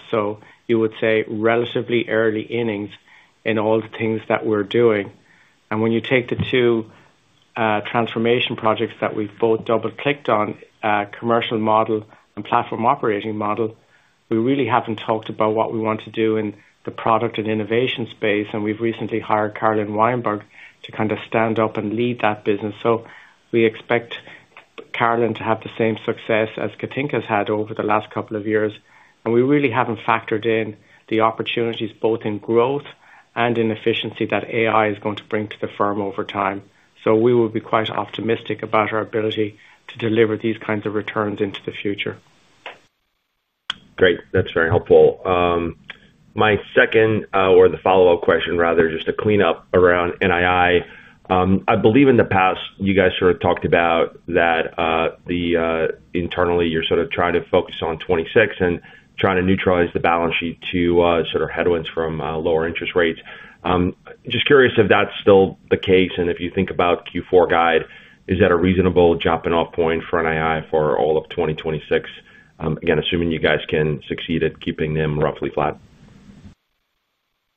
[SPEAKER 4] You would say relatively early innings in all the things that we're doing. When you take the two transformation projects that we've both double-clicked on, commercial model and platform operating model, we really haven't talked about what we want to do in the product and innovation space. We've recently hired Carolyn Weinberg to stand up and lead that business. We expect Carolyn to have the same success as Cathinka's had over the last couple of years. We really haven't factored in the opportunities both in growth and in efficiency that AI is going to bring to the firm over time. We will be quite optimistic about our ability to deliver these kinds of returns into the future.
[SPEAKER 9] Great. That's very helpful. My second or the follow-up question, rather, just to clean up around NII. I believe in the past, you guys sort of talked about that internally, you're sort of trying to focus on 2026 and trying to neutralize the balance sheet to sort of headwinds from lower interest rates. Just curious if that's still the case. If you think about Q4 guide, is that a reasonable jumping-off point for NII for all of 2026, again, assuming you guys can succeed at keeping them roughly flat?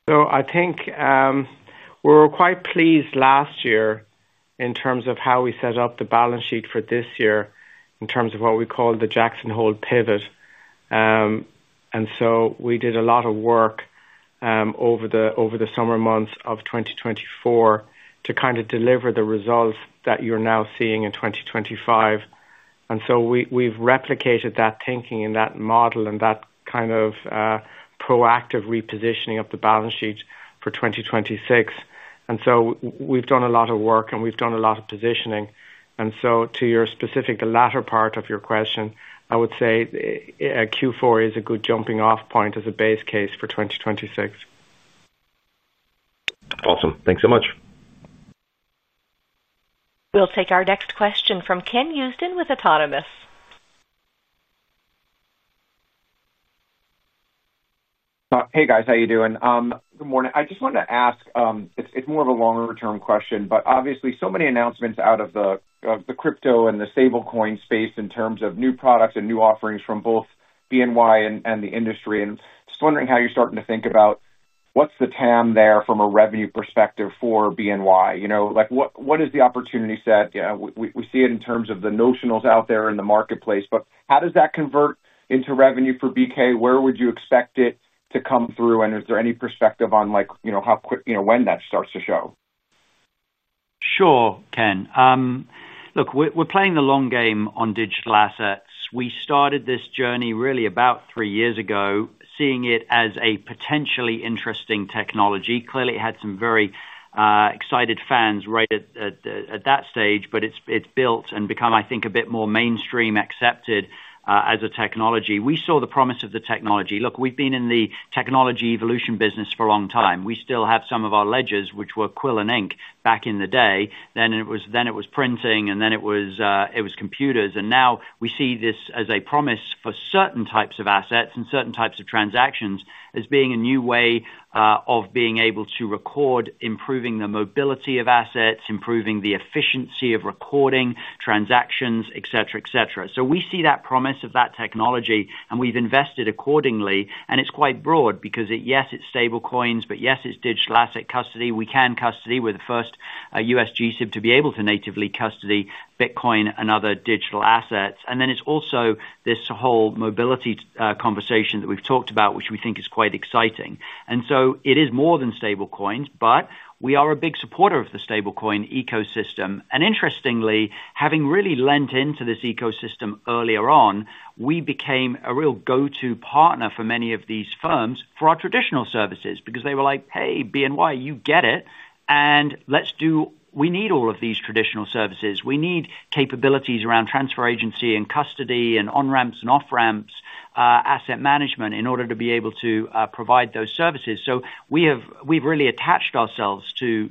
[SPEAKER 4] I think we were quite pleased last year in terms of how we set up the balance sheet for this year in terms of what we call the Jackson Hole pivot. We did a lot of work over the summer months of 2024 to kind of deliver the results that you're now seeing in 2025. We've replicated that thinking and that model and that kind of proactive repositioning of the balance sheet for 2026. We've done a lot of work, and we've done a lot of positioning. To your specific, the latter part of your question, I would say Q4 is a good jumping-off point as a base case for 2026.
[SPEAKER 9] Awesome. Thanks so much.
[SPEAKER 1] We'll take our next question from Ken Usdin with Autonomous.
[SPEAKER 10] Hey, guys. How are you doing? Good morning. I just wanted to ask, it's more of a longer-term question, but obviously, so many announcements out of the crypto and the stablecoin space in terms of new products and new offerings from both BNY and the industry. I'm just wondering how you're starting to think about what's the TAM there from a revenue perspective for BNY. You know, like what is the opportunity set? We see it in terms of the notionals out there in the marketplace. How does that convert into revenue for BK? Where would you expect it to come through? Is there any perspective on like when that starts to show?
[SPEAKER 3] Sure, Ken. Look, we're playing the long game on digital assets. We started this journey really about three years ago, seeing it as a potentially interesting technology. Clearly, it had some very excited fans right at that stage. It has built and become, I think, a bit more mainstream accepted as a technology. We saw the promise of the technology. Look, we've been in the technology evolution business for a long time. We still have some of our ledgers, which were quill and ink back in the day. Then it was printing, and then it was computers. Now we see this as a promise for certain types of assets and certain types of transactions as being a new way of being able to record, improving the mobility of assets, improving the efficiency of recording transactions, etc., etc. We see that promise of that technology, and we've invested accordingly. It's quite broad because yes, it's stablecoins, but yes, it's digital asset custody. We can custody. We're the first U.S. GSIP to be able to natively custody Bitcoin and other digital assets. It's also this whole mobility conversation that we've talked about, which we think is quite exciting. It is more than stablecoins, but we are a big supporter of the stablecoin ecosystem. Interestingly, having really lent into this ecosystem earlier on, we became a real go-to partner for many of these firms for our traditional services because they were like, "Hey, BNY, you get it. Let's do we need all of these traditional services. We need capabilities around transfer agency and custody and on-ramps and off-ramps, asset management in order to be able to provide those services." We've really attached ourselves to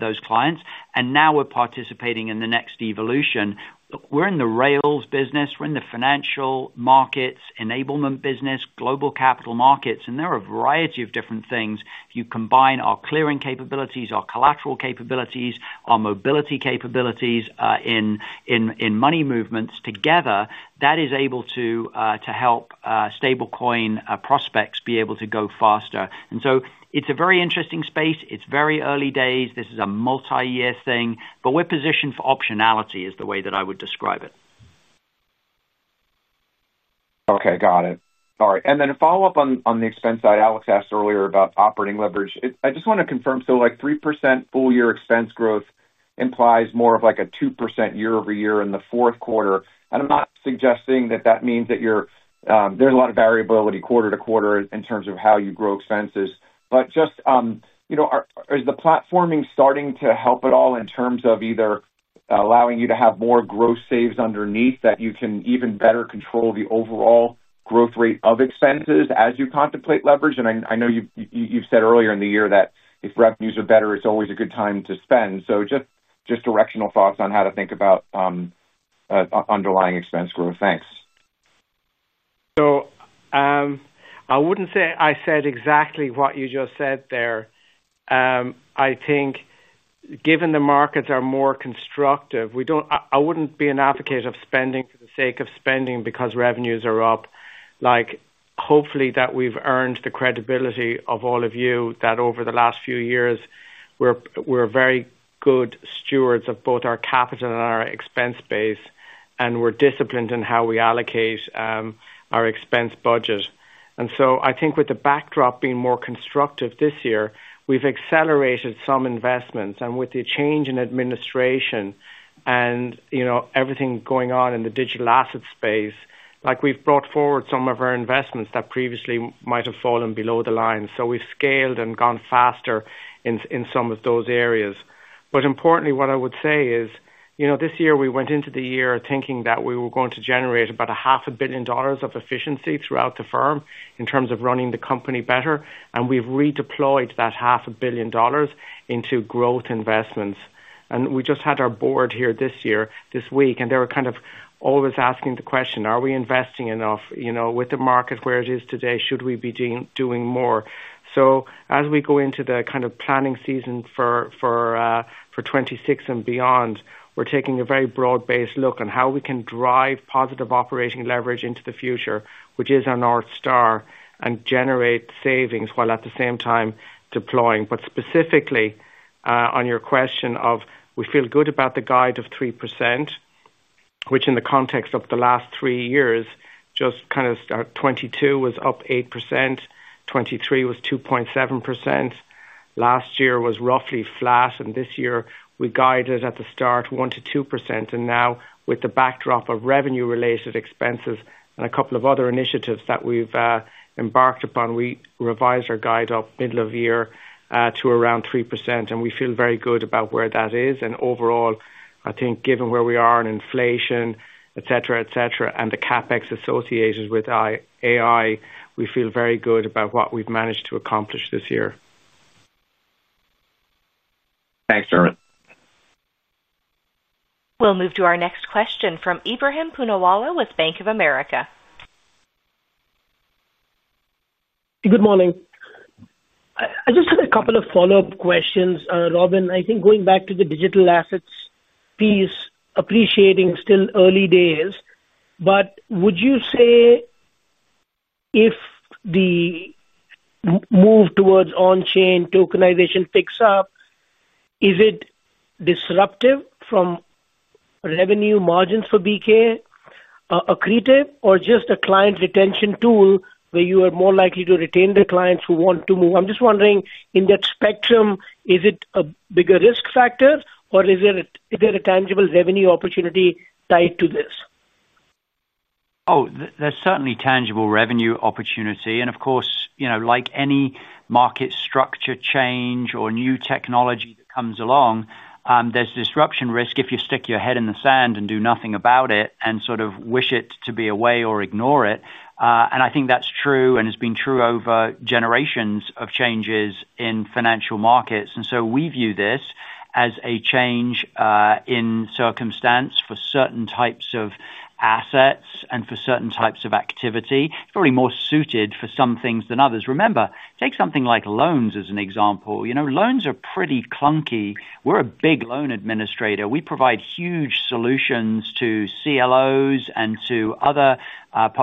[SPEAKER 3] those clients. Now we're participating in the next evolution. We're in the rails business. We're in the financial markets, enablement business, global capital markets. There are a variety of different things. If you combine our clearing capabilities, our collateral capabilities, our mobility capabilities in money movements together, that is able to help stablecoin prospects be able to go faster. It's a very interesting space. It's very early days. This is a multi-year thing. We're positioned for optionality is the way that I would describe it.
[SPEAKER 10] Okay. Got it. All right. A follow-up on the expense side, Alex asked earlier about operating leverage. I just want to confirm, 3% full-year expense growth implies more of a 2% year-over-year in the fourth quarter. I'm not suggesting that means there's a lot of variability quarter to quarter in terms of how you grow expenses. Is the platforming starting to help at all in terms of either allowing you to have more growth saves underneath that, so you can even better control the overall growth rate of expenses as you contemplate leverage? I know you've said earlier in the year that if revenues are better, it's always a good time to spend. Just directional thoughts on how to think about underlying expense growth. Thanks.
[SPEAKER 4] I wouldn't say I said exactly what you just said there. I think given the markets are more constructive, I wouldn't be an advocate of spending for the sake of spending because revenues are up. Hopefully, we've earned the credibility of all of you that over the last few years, we're very good stewards of both our capital and our expense base. We're disciplined in how we allocate our expense budget. I think with the backdrop being more constructive this year, we've accelerated some investments. With the change in administration and everything going on in the digital asset space, we've brought forward some of our investments that previously might have fallen below the line. We've scaled and gone faster in some of those areas. Importantly, what I would say is, this year we went into the year thinking that we were going to generate about $500 million of efficiency throughout the firm in terms of running the company better. We've redeployed that $500 million into growth investments. We just had our board here this week, and they were kind of always asking the question, are we investing enough? With the market where it is today, should we be doing more? As we go into the planning season for 2026 and beyond, we're taking a very broad-based look on how we can drive positive operating leverage into the future, which is on our star, and generate savings while at the same time deploying. Specifically, on your question of we feel good about the guide of 3%, which in the context of the last three years, 2022 was up 8%, 2023 was 2.7%. Last year was roughly flat. This year, we guided at the start 1%-2%. Now, with the backdrop of revenue-related expenses and a couple of other initiatives that we've embarked upon, we revised our guide up middle of year to around 3%. We feel very good about where that is. Overall, I think given where we are in inflation, etc., and the CapEx associated with AI, we feel very good about what we've managed to accomplish this year.
[SPEAKER 10] Thanks, Dermot.
[SPEAKER 1] We'll move to our next question from Ebrahim Poonawala with Bank of America.
[SPEAKER 11] Good morning. I just had a couple of follow-up questions. Robin, I think going back to the digital assets piece, appreciating still early days, would you say if the move towards on-chain tokenization picks up, is it disruptive from revenue margins for BNY, accretive, or just a client retention tool where you are more likely to retain the clients who want to move? I'm just wondering, in that spectrum, is it a bigger risk factor, or is there a tangible revenue opportunity tied to this?
[SPEAKER 3] Oh, there's certainly tangible revenue opportunity. Of course, you know, like any market structure change or new technology that comes along, there's disruption risk if you stick your head in the sand and do nothing about it and sort of wish it to be away or ignore it. I think that's true and has been true over generations of changes in financial markets. We view this as a change in circumstance for certain types of assets and for certain types of activity. It's probably more suited for some things than others. Remember, take something like loans as an example. You know, loans are pretty clunky. We're a big loan administrator. We provide huge solutions to CLOs and to other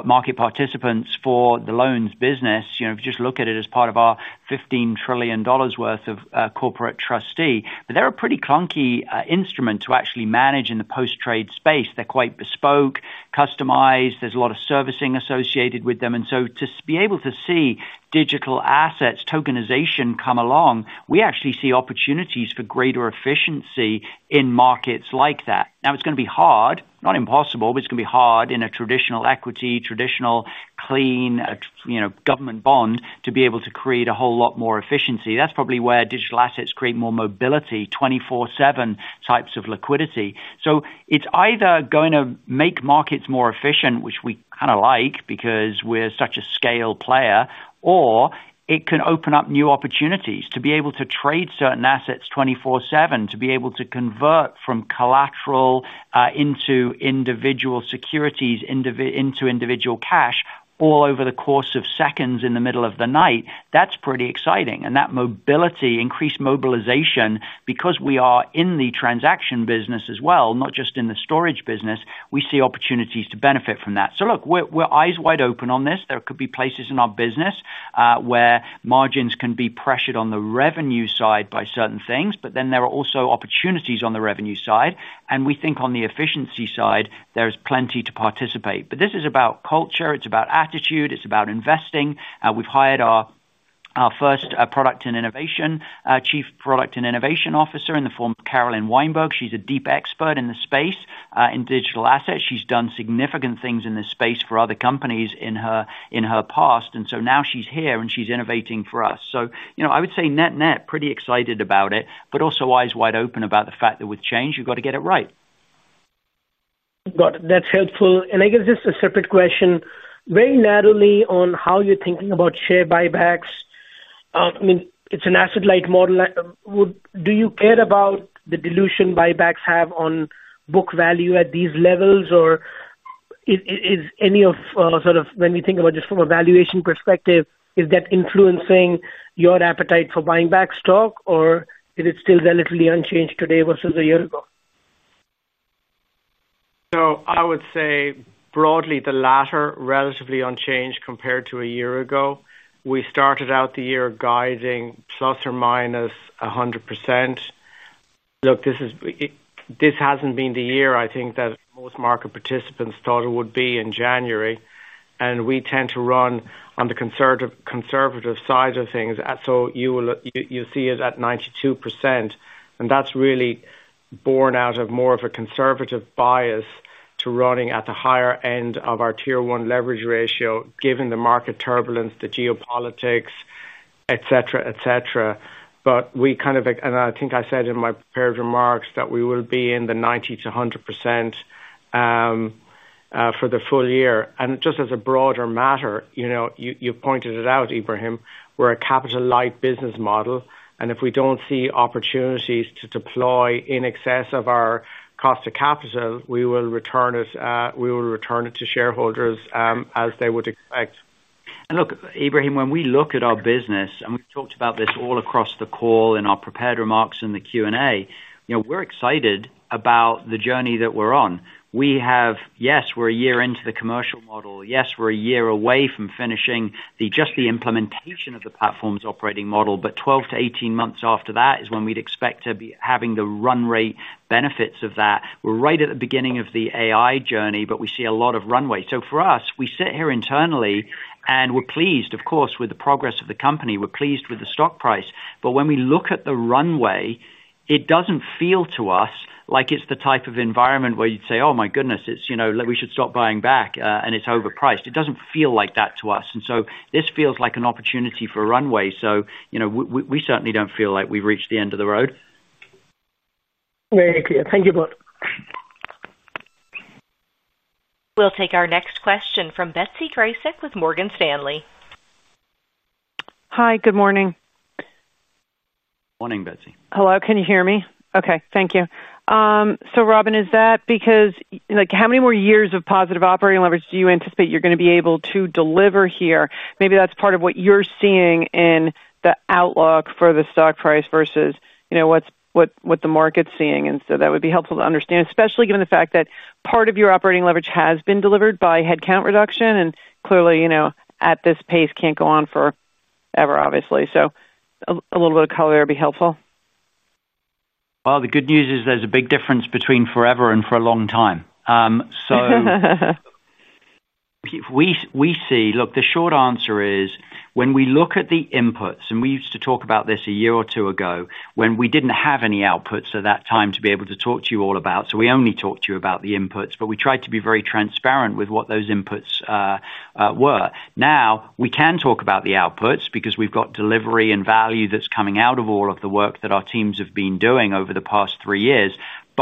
[SPEAKER 3] market participants for the loans business. If you just look at it as part of our $15 trillion worth of corporate trustee, they're a pretty clunky instrument to actually manage in the post-trade space. They're quite bespoke, customized. There's a lot of servicing associated with them. To be able to see digital assets tokenization come along, we actually see opportunities for greater efficiency in markets like that. Now, it's going to be hard, not impossible, but it's going to be hard in a traditional equity, traditional clean government bond to be able to create a whole lot more efficiency. That's probably where digital assets create more mobility, 24/7 types of liquidity. It's either going to make markets more efficient, which we kind of like because we're such a scale player, or it can open up new opportunities to be able to trade certain assets 24/7, to be able to convert from collateral into individual securities, into individual cash all over the course of seconds in the middle of the night. That's pretty exciting. That mobility, increased mobilization, because we are in the transaction business as well, not just in the storage business, we see opportunities to benefit from that. Look, we're eyes wide open on this. There could be places in our business where margins can be pressured on the revenue side by certain things, but then there are also opportunities on the revenue side. We think on the efficiency side, there's plenty to participate. This is about culture. It's about attitude. It's about investing. We've hired our first Chief Product and Innovation Officer in the form of Carolyn Weinberg. She's a deep expert in the space in digital assets. She's done significant things in this space for other companies in her past. Now she's here, and she's innovating for us. I would say net-net, pretty excited about it, but also eyes wide open about the fact that with change, you've got to get it right.
[SPEAKER 11] Got it. That's helpful. I guess just a separate question, very narrowly on how you're thinking about share buybacks. I mean, it's an asset-light model. Do you care about the dilution buybacks have on book value at these levels, or is any of, sort of, when you think about just from a valuation perspective, is that influencing your appetite for buying back stock, or is it still relatively unchanged today versus a year ago?
[SPEAKER 4] I would say broadly, the latter is relatively unchanged compared to a year ago. We started out the year guiding ±100%. This hasn't been the year I think that most market participants thought it would be in January. We tend to run on the conservative side of things. You'll see it at 92%, and that's really born out of more of a conservative bias to running at the higher end of our tier one leverage ratio, given the market turbulence, the geopolitics, etc. I think I said in my prepared remarks that we will be in the 90%-100% for the full year. Just as a broader matter, you pointed it out, Ebrahim, we're a capital-light business model. If we don't see opportunities to deploy in excess of our cost of capital, we will return it to shareholders as they would expect.
[SPEAKER 3] Look, Ebrahim, when we look at our business, and we've talked about this all across the call in our prepared remarks in the Q&A, we're excited about the journey that we're on. Yes, we're a year into the commercial model. Yes, we're a year away from finishing just the implementation of the platform's operating model. Twelve to eighteen months after that is when we'd expect to be having the run rate benefits of that. We're right at the beginning of the AI journey, but we see a lot of runway. For us, we sit here internally, and we're pleased, of course, with the progress of the company. We're pleased with the stock price. When we look at the runway, it doesn't feel to us like it's the type of environment where you'd say, "Oh, my goodness, we should stop buying back, and it's overpriced." It doesn't feel like that to us. This feels like an opportunity for runway. We certainly don't feel like we've reached the end of the road.
[SPEAKER 11] Very clear. Thank you both.
[SPEAKER 1] We'll take our next question from Betsy Graseck with Morgan Stanley.
[SPEAKER 12] Hi. Good morning.
[SPEAKER 3] Morning, Betsy.
[SPEAKER 12] Hello. Can you hear me? Okay. Thank you. Robin, is that because how many more years of positive operating leverage do you anticipate you're going to be able to deliver here? Maybe that's part of what you're seeing in the outlook for the stock price versus what the market's seeing. That would be helpful to understand, especially given the fact that part of your operating leverage has been delivered by headcount reduction. Clearly, you know, at this pace, can't go on forever, obviously. A little bit of color there would be helpful.
[SPEAKER 3] The good news is there's a big difference between forever and for a long time. We see, look, the short answer is when we look at the inputs, and we used to talk about this a year or two ago when we didn't have any outputs at that time to be able to talk to you all about. We only talked to you about the inputs, but we tried to be very transparent with what those inputs were. Now we can talk about the outputs because we've got delivery and value that's coming out of all of the work that our teams have been doing over the past three years.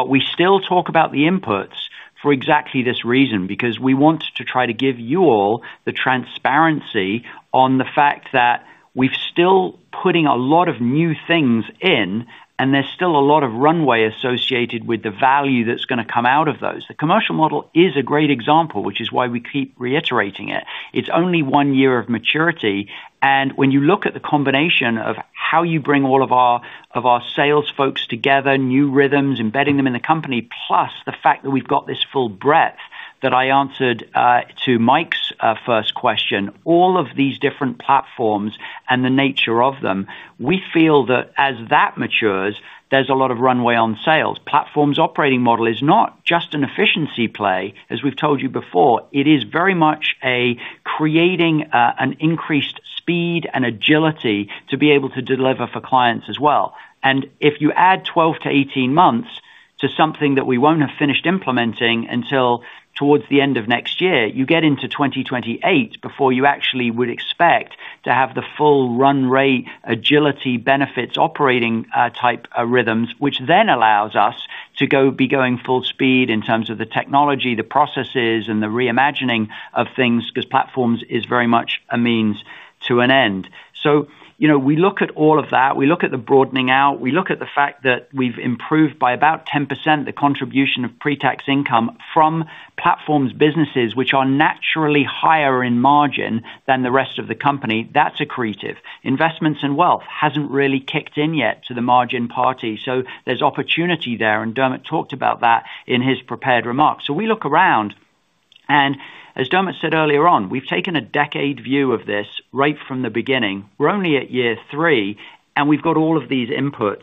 [SPEAKER 3] We still talk about the inputs for exactly this reason, because we want to try to give you all the transparency on the fact that we're still putting a lot of new things in, and there's still a lot of runway associated with the value that's going to come out of those. The commercial model is a great example, which is why we keep reiterating it. It's only one year of maturity. When you look at the combination of how you bring all of our sales folks together, new rhythms, embedding them in the company, plus the fact that we've got this full breadth that I answered to Mike's first question, all of these different platforms and the nature of them, we feel that as that matures, there's a lot of runway on sales. Platform's operating model is not just an efficiency play, as we've told you before. It is very much creating an increased speed and agility to be able to deliver for clients as well. If you add 12-18 months to something that we won't have finished implementing until towards the end of next year, you get into 2028 before you actually would expect to have the full run rate, agility benefits, operating type rhythms, which then allows us to be going full speed in terms of the technology, the processes, and the reimagining of things, because platforms are very much a means to an end. We look at all of that. We look at the broadening out. We look at the fact that we've improved by about 10% the contribution of pre-tax income from platforms businesses, which are naturally higher in margin than the rest of the company. That's accretive. Investments and wealth hasn't really kicked in yet to the margin party. There's opportunity there. Dermot talked about that in his prepared remarks. We look around. As Dermot said earlier on, we've taken a decade view of this right from the beginning. We're only at year three, and we've got all of these inputs.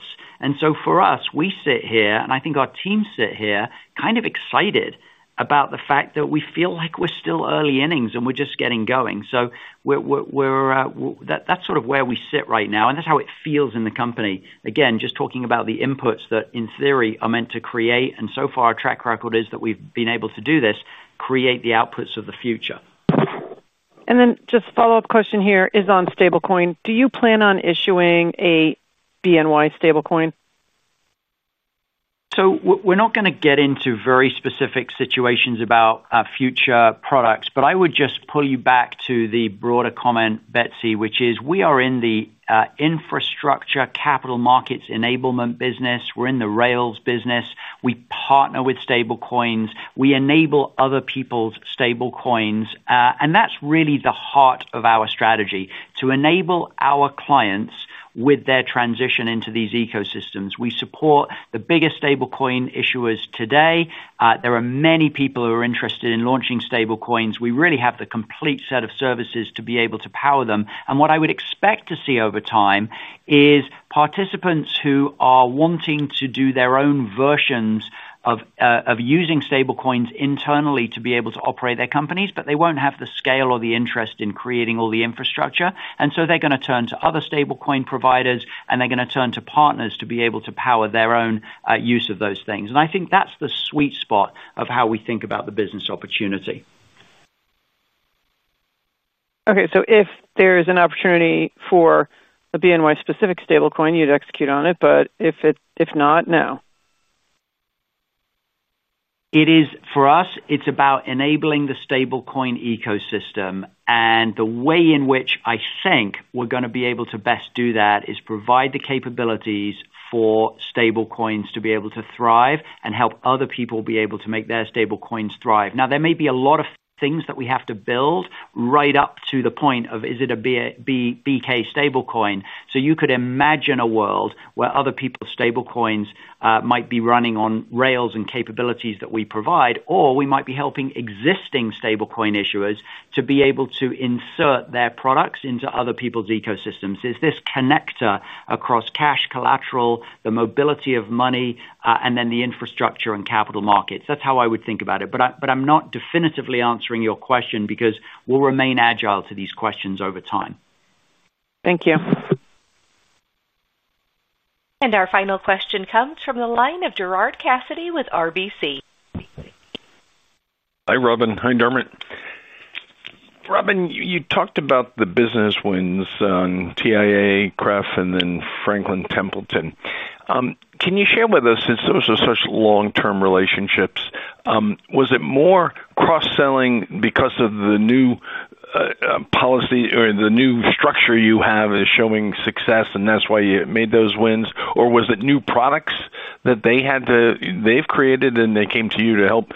[SPEAKER 3] For us, we sit here, and I think our teams sit here kind of excited about the fact that we feel like we're still early innings and we're just getting going. That is sort of where we sit right now. That is how it feels in the company. Again, just talking about the inputs that in theory are meant to create. So far, our track record is that we've been able to do this, create the outputs of the future.
[SPEAKER 12] Just a follow-up question here is on stablecoin. Do you plan on issuing a BNY stablecoin?
[SPEAKER 3] We're not going to get into very specific situations about future products. I would just pull you back to the broader comment, Betsy, which is we are in the infrastructure capital markets enablement business. We're in the rails business. We partner with stablecoins. We enable other people's stablecoins. That is really the heart of our strategy: to enable our clients with their transition into these ecosystems. We support the biggest stablecoin issuers today. There are many people who are interested in launching stablecoins. We really have the complete set of services to be able to power them. What I would expect to see over time is participants who are wanting to do their own versions of using stablecoins internally to be able to operate their companies, but they will not have the scale or the interest in creating all the infrastructure. They are going to turn to other stablecoin providers, and they are going to turn to partners to be able to power their own use of those things. I think that is the sweet spot of how we think about the business opportunity.
[SPEAKER 12] OK, so if there is an opportunity for a BNY-specific stablecoin, you'd execute on it. If not, now?
[SPEAKER 3] For us, it's about enabling the stablecoin ecosystem. The way in which I think we're going to be able to best do that is provide the capabilities for stablecoins to be able to thrive and help other people be able to make their stablecoins thrive. There may be a lot of things that we have to build right up to the point of, is it a BNY stablecoin? You could imagine a world where other people's stablecoins might be running on rails and capabilities that we provide. We might be helping existing stablecoin issuers to be able to insert their products into other people's ecosystems. Is this connector across cash collateral, the mobility of money, and then the infrastructure and capital markets? That's how I would think about it. I'm not definitively answering your question because we'll remain agile to these questions over time.
[SPEAKER 12] Thank you.
[SPEAKER 1] Our final question comes from the line of Gerard Cassidy with RBC Capital Markets.
[SPEAKER 13] Hi, Robin. Hi, Dermot. Robin, you talked about the business wins on TIAA, CREF, and then Franklin Templeton. Can you share with us, since those are such long-term relationships, was it more cross-selling because of the new policy or the new structure you have is showing success, and that's why you made those wins? Was it new products that they've created, and they came to you to help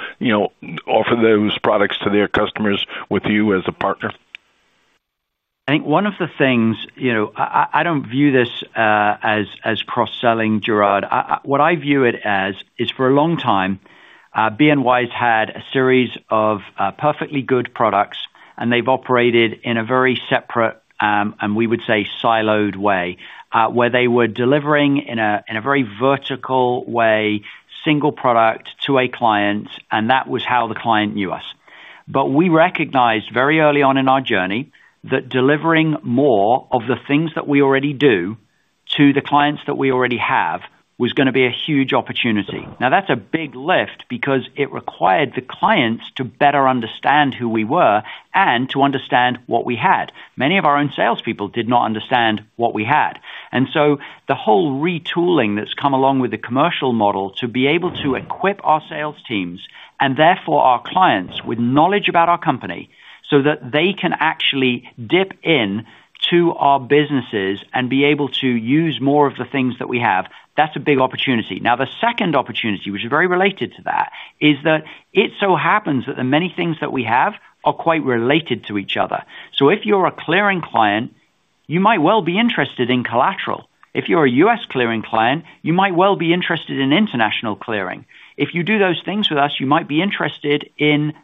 [SPEAKER 13] offer those products to their customers with you as a partner?
[SPEAKER 3] I think one of the things, you know, I don't view this as cross-selling, Gerard. What I view it as is, for a long time, BNY's had a series of perfectly good products. They've operated in a very separate, and we would say, siloed way, where they were delivering in a very vertical way, single product to a client. That was how the client knew us. We recognized very early on in our journey that delivering more of the things that we already do to the clients that we already have was going to be a huge opportunity. That's a big lift because it required the clients to better understand who we were and to understand what we had. Many of our own salespeople did not understand what we had. The whole retooling that's come along with the commercial model to be able to equip our sales teams and, therefore, our clients with knowledge about our company so that they can actually dip into our businesses and be able to use more of the things that we have, that's a big opportunity. The second opportunity, which is very related to that, is that it so happens that the many things that we have are quite related to each other. If you're a clearing client, you might well be interested in collateral. If you're a U.S. clearing client, you might well be interested in international clearing. If you do those things with us, you might be interested in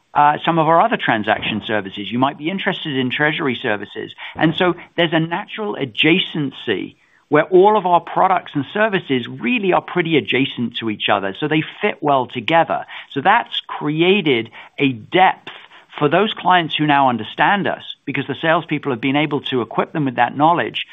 [SPEAKER 3] some of our other transaction services. You might be interested in treasury services. There's a natural adjacency where all of our products and services really are pretty adjacent to each other. They fit well together. That's created a depth for those clients who now understand us because the salespeople have been able to equip them with that knowledge.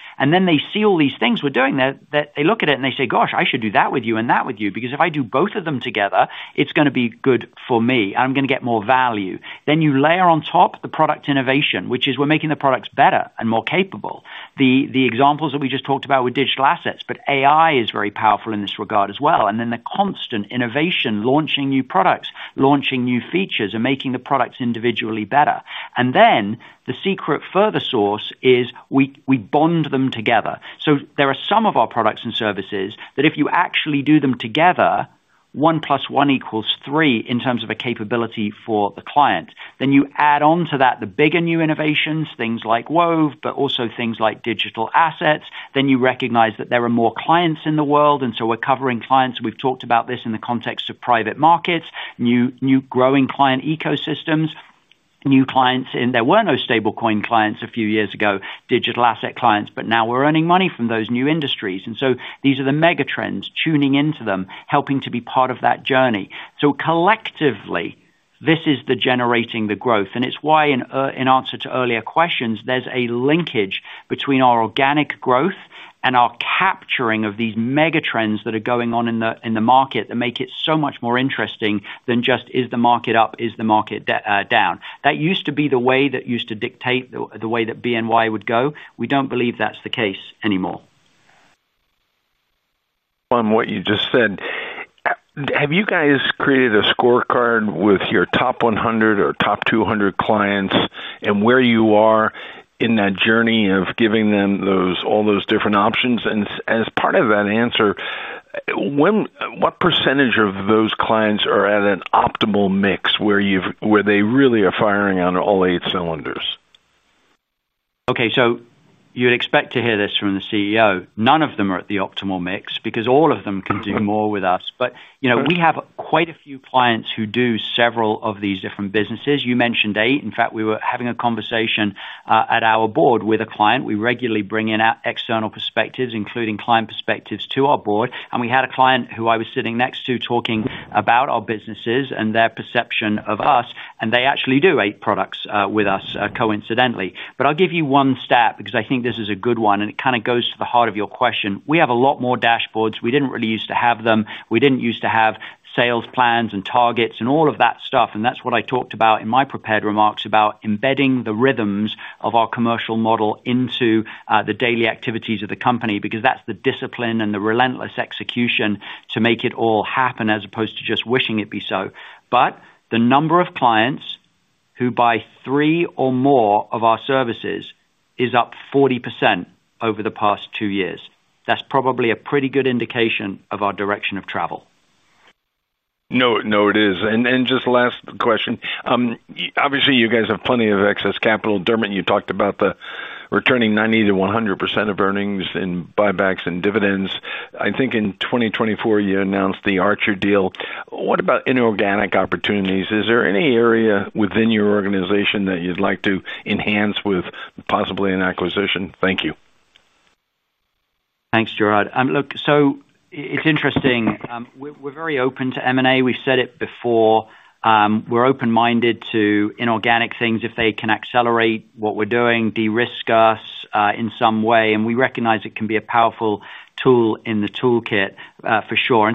[SPEAKER 3] They see all these things we're doing. They look at it, and they say, gosh, I should do that with you and that with you because if I do both of them together, it's going to be good for me. I'm going to get more value. You layer on top the product innovation, which is we're making the products better and more capable. The examples that we just talked about were digital assets. AI is very powerful in this regard as well. The constant innovation, launching new products, launching new features, and making the products individually better. The secret further source is we bond them together. There are some of our products and services that if you actually do them together, 1 + 1 = 3 in terms of a capability for the client. You add on to that the bigger new innovations, things like Wove, but also things like digital assets. You recognize that there are more clients in the world. We're covering clients. We've talked about this in the context of private markets, new growing client ecosystems, new clients. There were no stablecoin clients a few years ago, digital asset clients. Now we're earning money from those new industries. These are the megatrends, tuning into them, helping to be part of that journey. Collectively, this is generating the growth. It's why, in answer to earlier questions, there's a linkage between our organic growth and our capturing of these megatrends that are going on in the market that make it so much more interesting than just, is the market up? Is the market down? That used to be the way that used to dictate the way that BNY would go. We don't believe that's the case anymore.
[SPEAKER 13] On what you just said, have you guys created a scorecard with your top 100 or top 200 clients and where you are in that journey of giving them all those different options? As part of that answer, what % of those clients are at an optimal mix where they really are firing on all eight cylinders?
[SPEAKER 3] OK. You would expect to hear this from the CEO. None of them are at the optimal mix because all of them can do more with us. We have quite a few clients who do several of these different businesses. You mentioned eight. In fact, we were having a conversation at our board with a client. We regularly bring in external perspectives, including client perspectives, to our board. We had a client who I was sitting next to talking about our businesses and their perception of us. They actually do eight products with us, coincidentally. I'll give you one stat because I think this is a good one. It kind of goes to the heart of your question. We have a lot more dashboards. We didn't really used to have them. We didn't used to have sales plans and targets and all of that stuff. That's what I talked about in my prepared remarks about embedding the rhythms of our commercial model into the daily activities of the company because that's the discipline and the relentless execution to make it all happen as opposed to just wishing it be so. The number of clients who buy three or more of our services is up 40% over the past two years. That's probably a pretty good indication of our direction of travel.
[SPEAKER 13] No, it is. Just last question. Obviously, you guys have plenty of excess capital. Dermot, you talked about returning 90%-100% of earnings in buybacks and dividends. I think in 2024, you announced the Archer deal. What about inorganic opportunities? Is there any area within your organization that you'd like to enhance with possibly an acquisition? Thank you.
[SPEAKER 3] Thanks, Gerard. Look, it's interesting. We're very open to M&A. We've said it before. We're open-minded to inorganic things if they can accelerate what we're doing, de-risk us in some way. We recognize it can be a powerful tool in the toolkit for sure.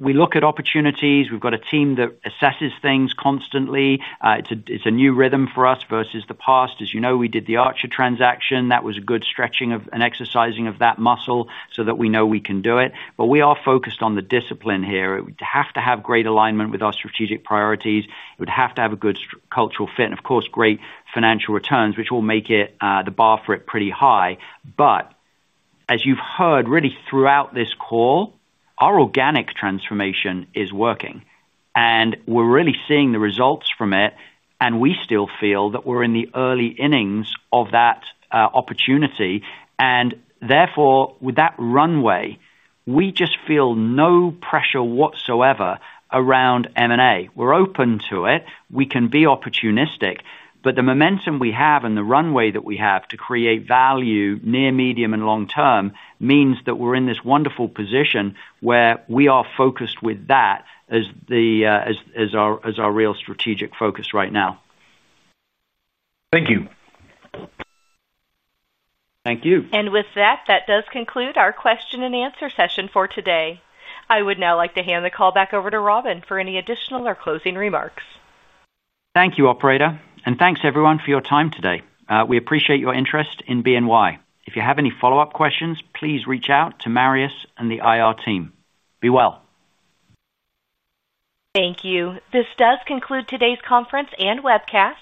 [SPEAKER 3] We look at opportunities. We've got a team that assesses things constantly. It's a new rhythm for us versus the past. As you know, we did the Archer transaction. That was a good stretching and exercising of that muscle so that we know we can do it. We are focused on the discipline here. It would have to have great alignment with our strategic priorities. It would have to have a good cultural fit and, of course, great financial returns, which will make the bar for it pretty high. As you've heard really throughout this call, our organic transformation is working. We're really seeing the results from it. We still feel that we're in the early innings of that opportunity. Therefore, with that runway, we just feel no pressure whatsoever around M&A. We're open to it. We can be opportunistic. The momentum we have and the runway that we have to create value near, medium, and long term means that we're in this wonderful position where we are focused with that as our real strategic focus right now.
[SPEAKER 13] Thank you.
[SPEAKER 3] Thank you.
[SPEAKER 1] That does conclude our question-and-answer session for today. I would now like to hand the call back over to Robin for any additional or closing remarks.
[SPEAKER 3] Thank you, operator. Thank you, everyone, for your time today. We appreciate your interest in BNY. If you have any follow-up questions, please reach out to Marius Merz and the IR team. Be well.
[SPEAKER 1] Thank you. This does conclude today's conference and webcast.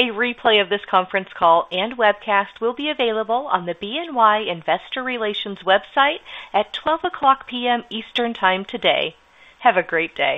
[SPEAKER 1] A replay of this conference call and webcast will be available on the BNY Investor Relations website at 12:00 P.M. Eastern Time today. Have a great day.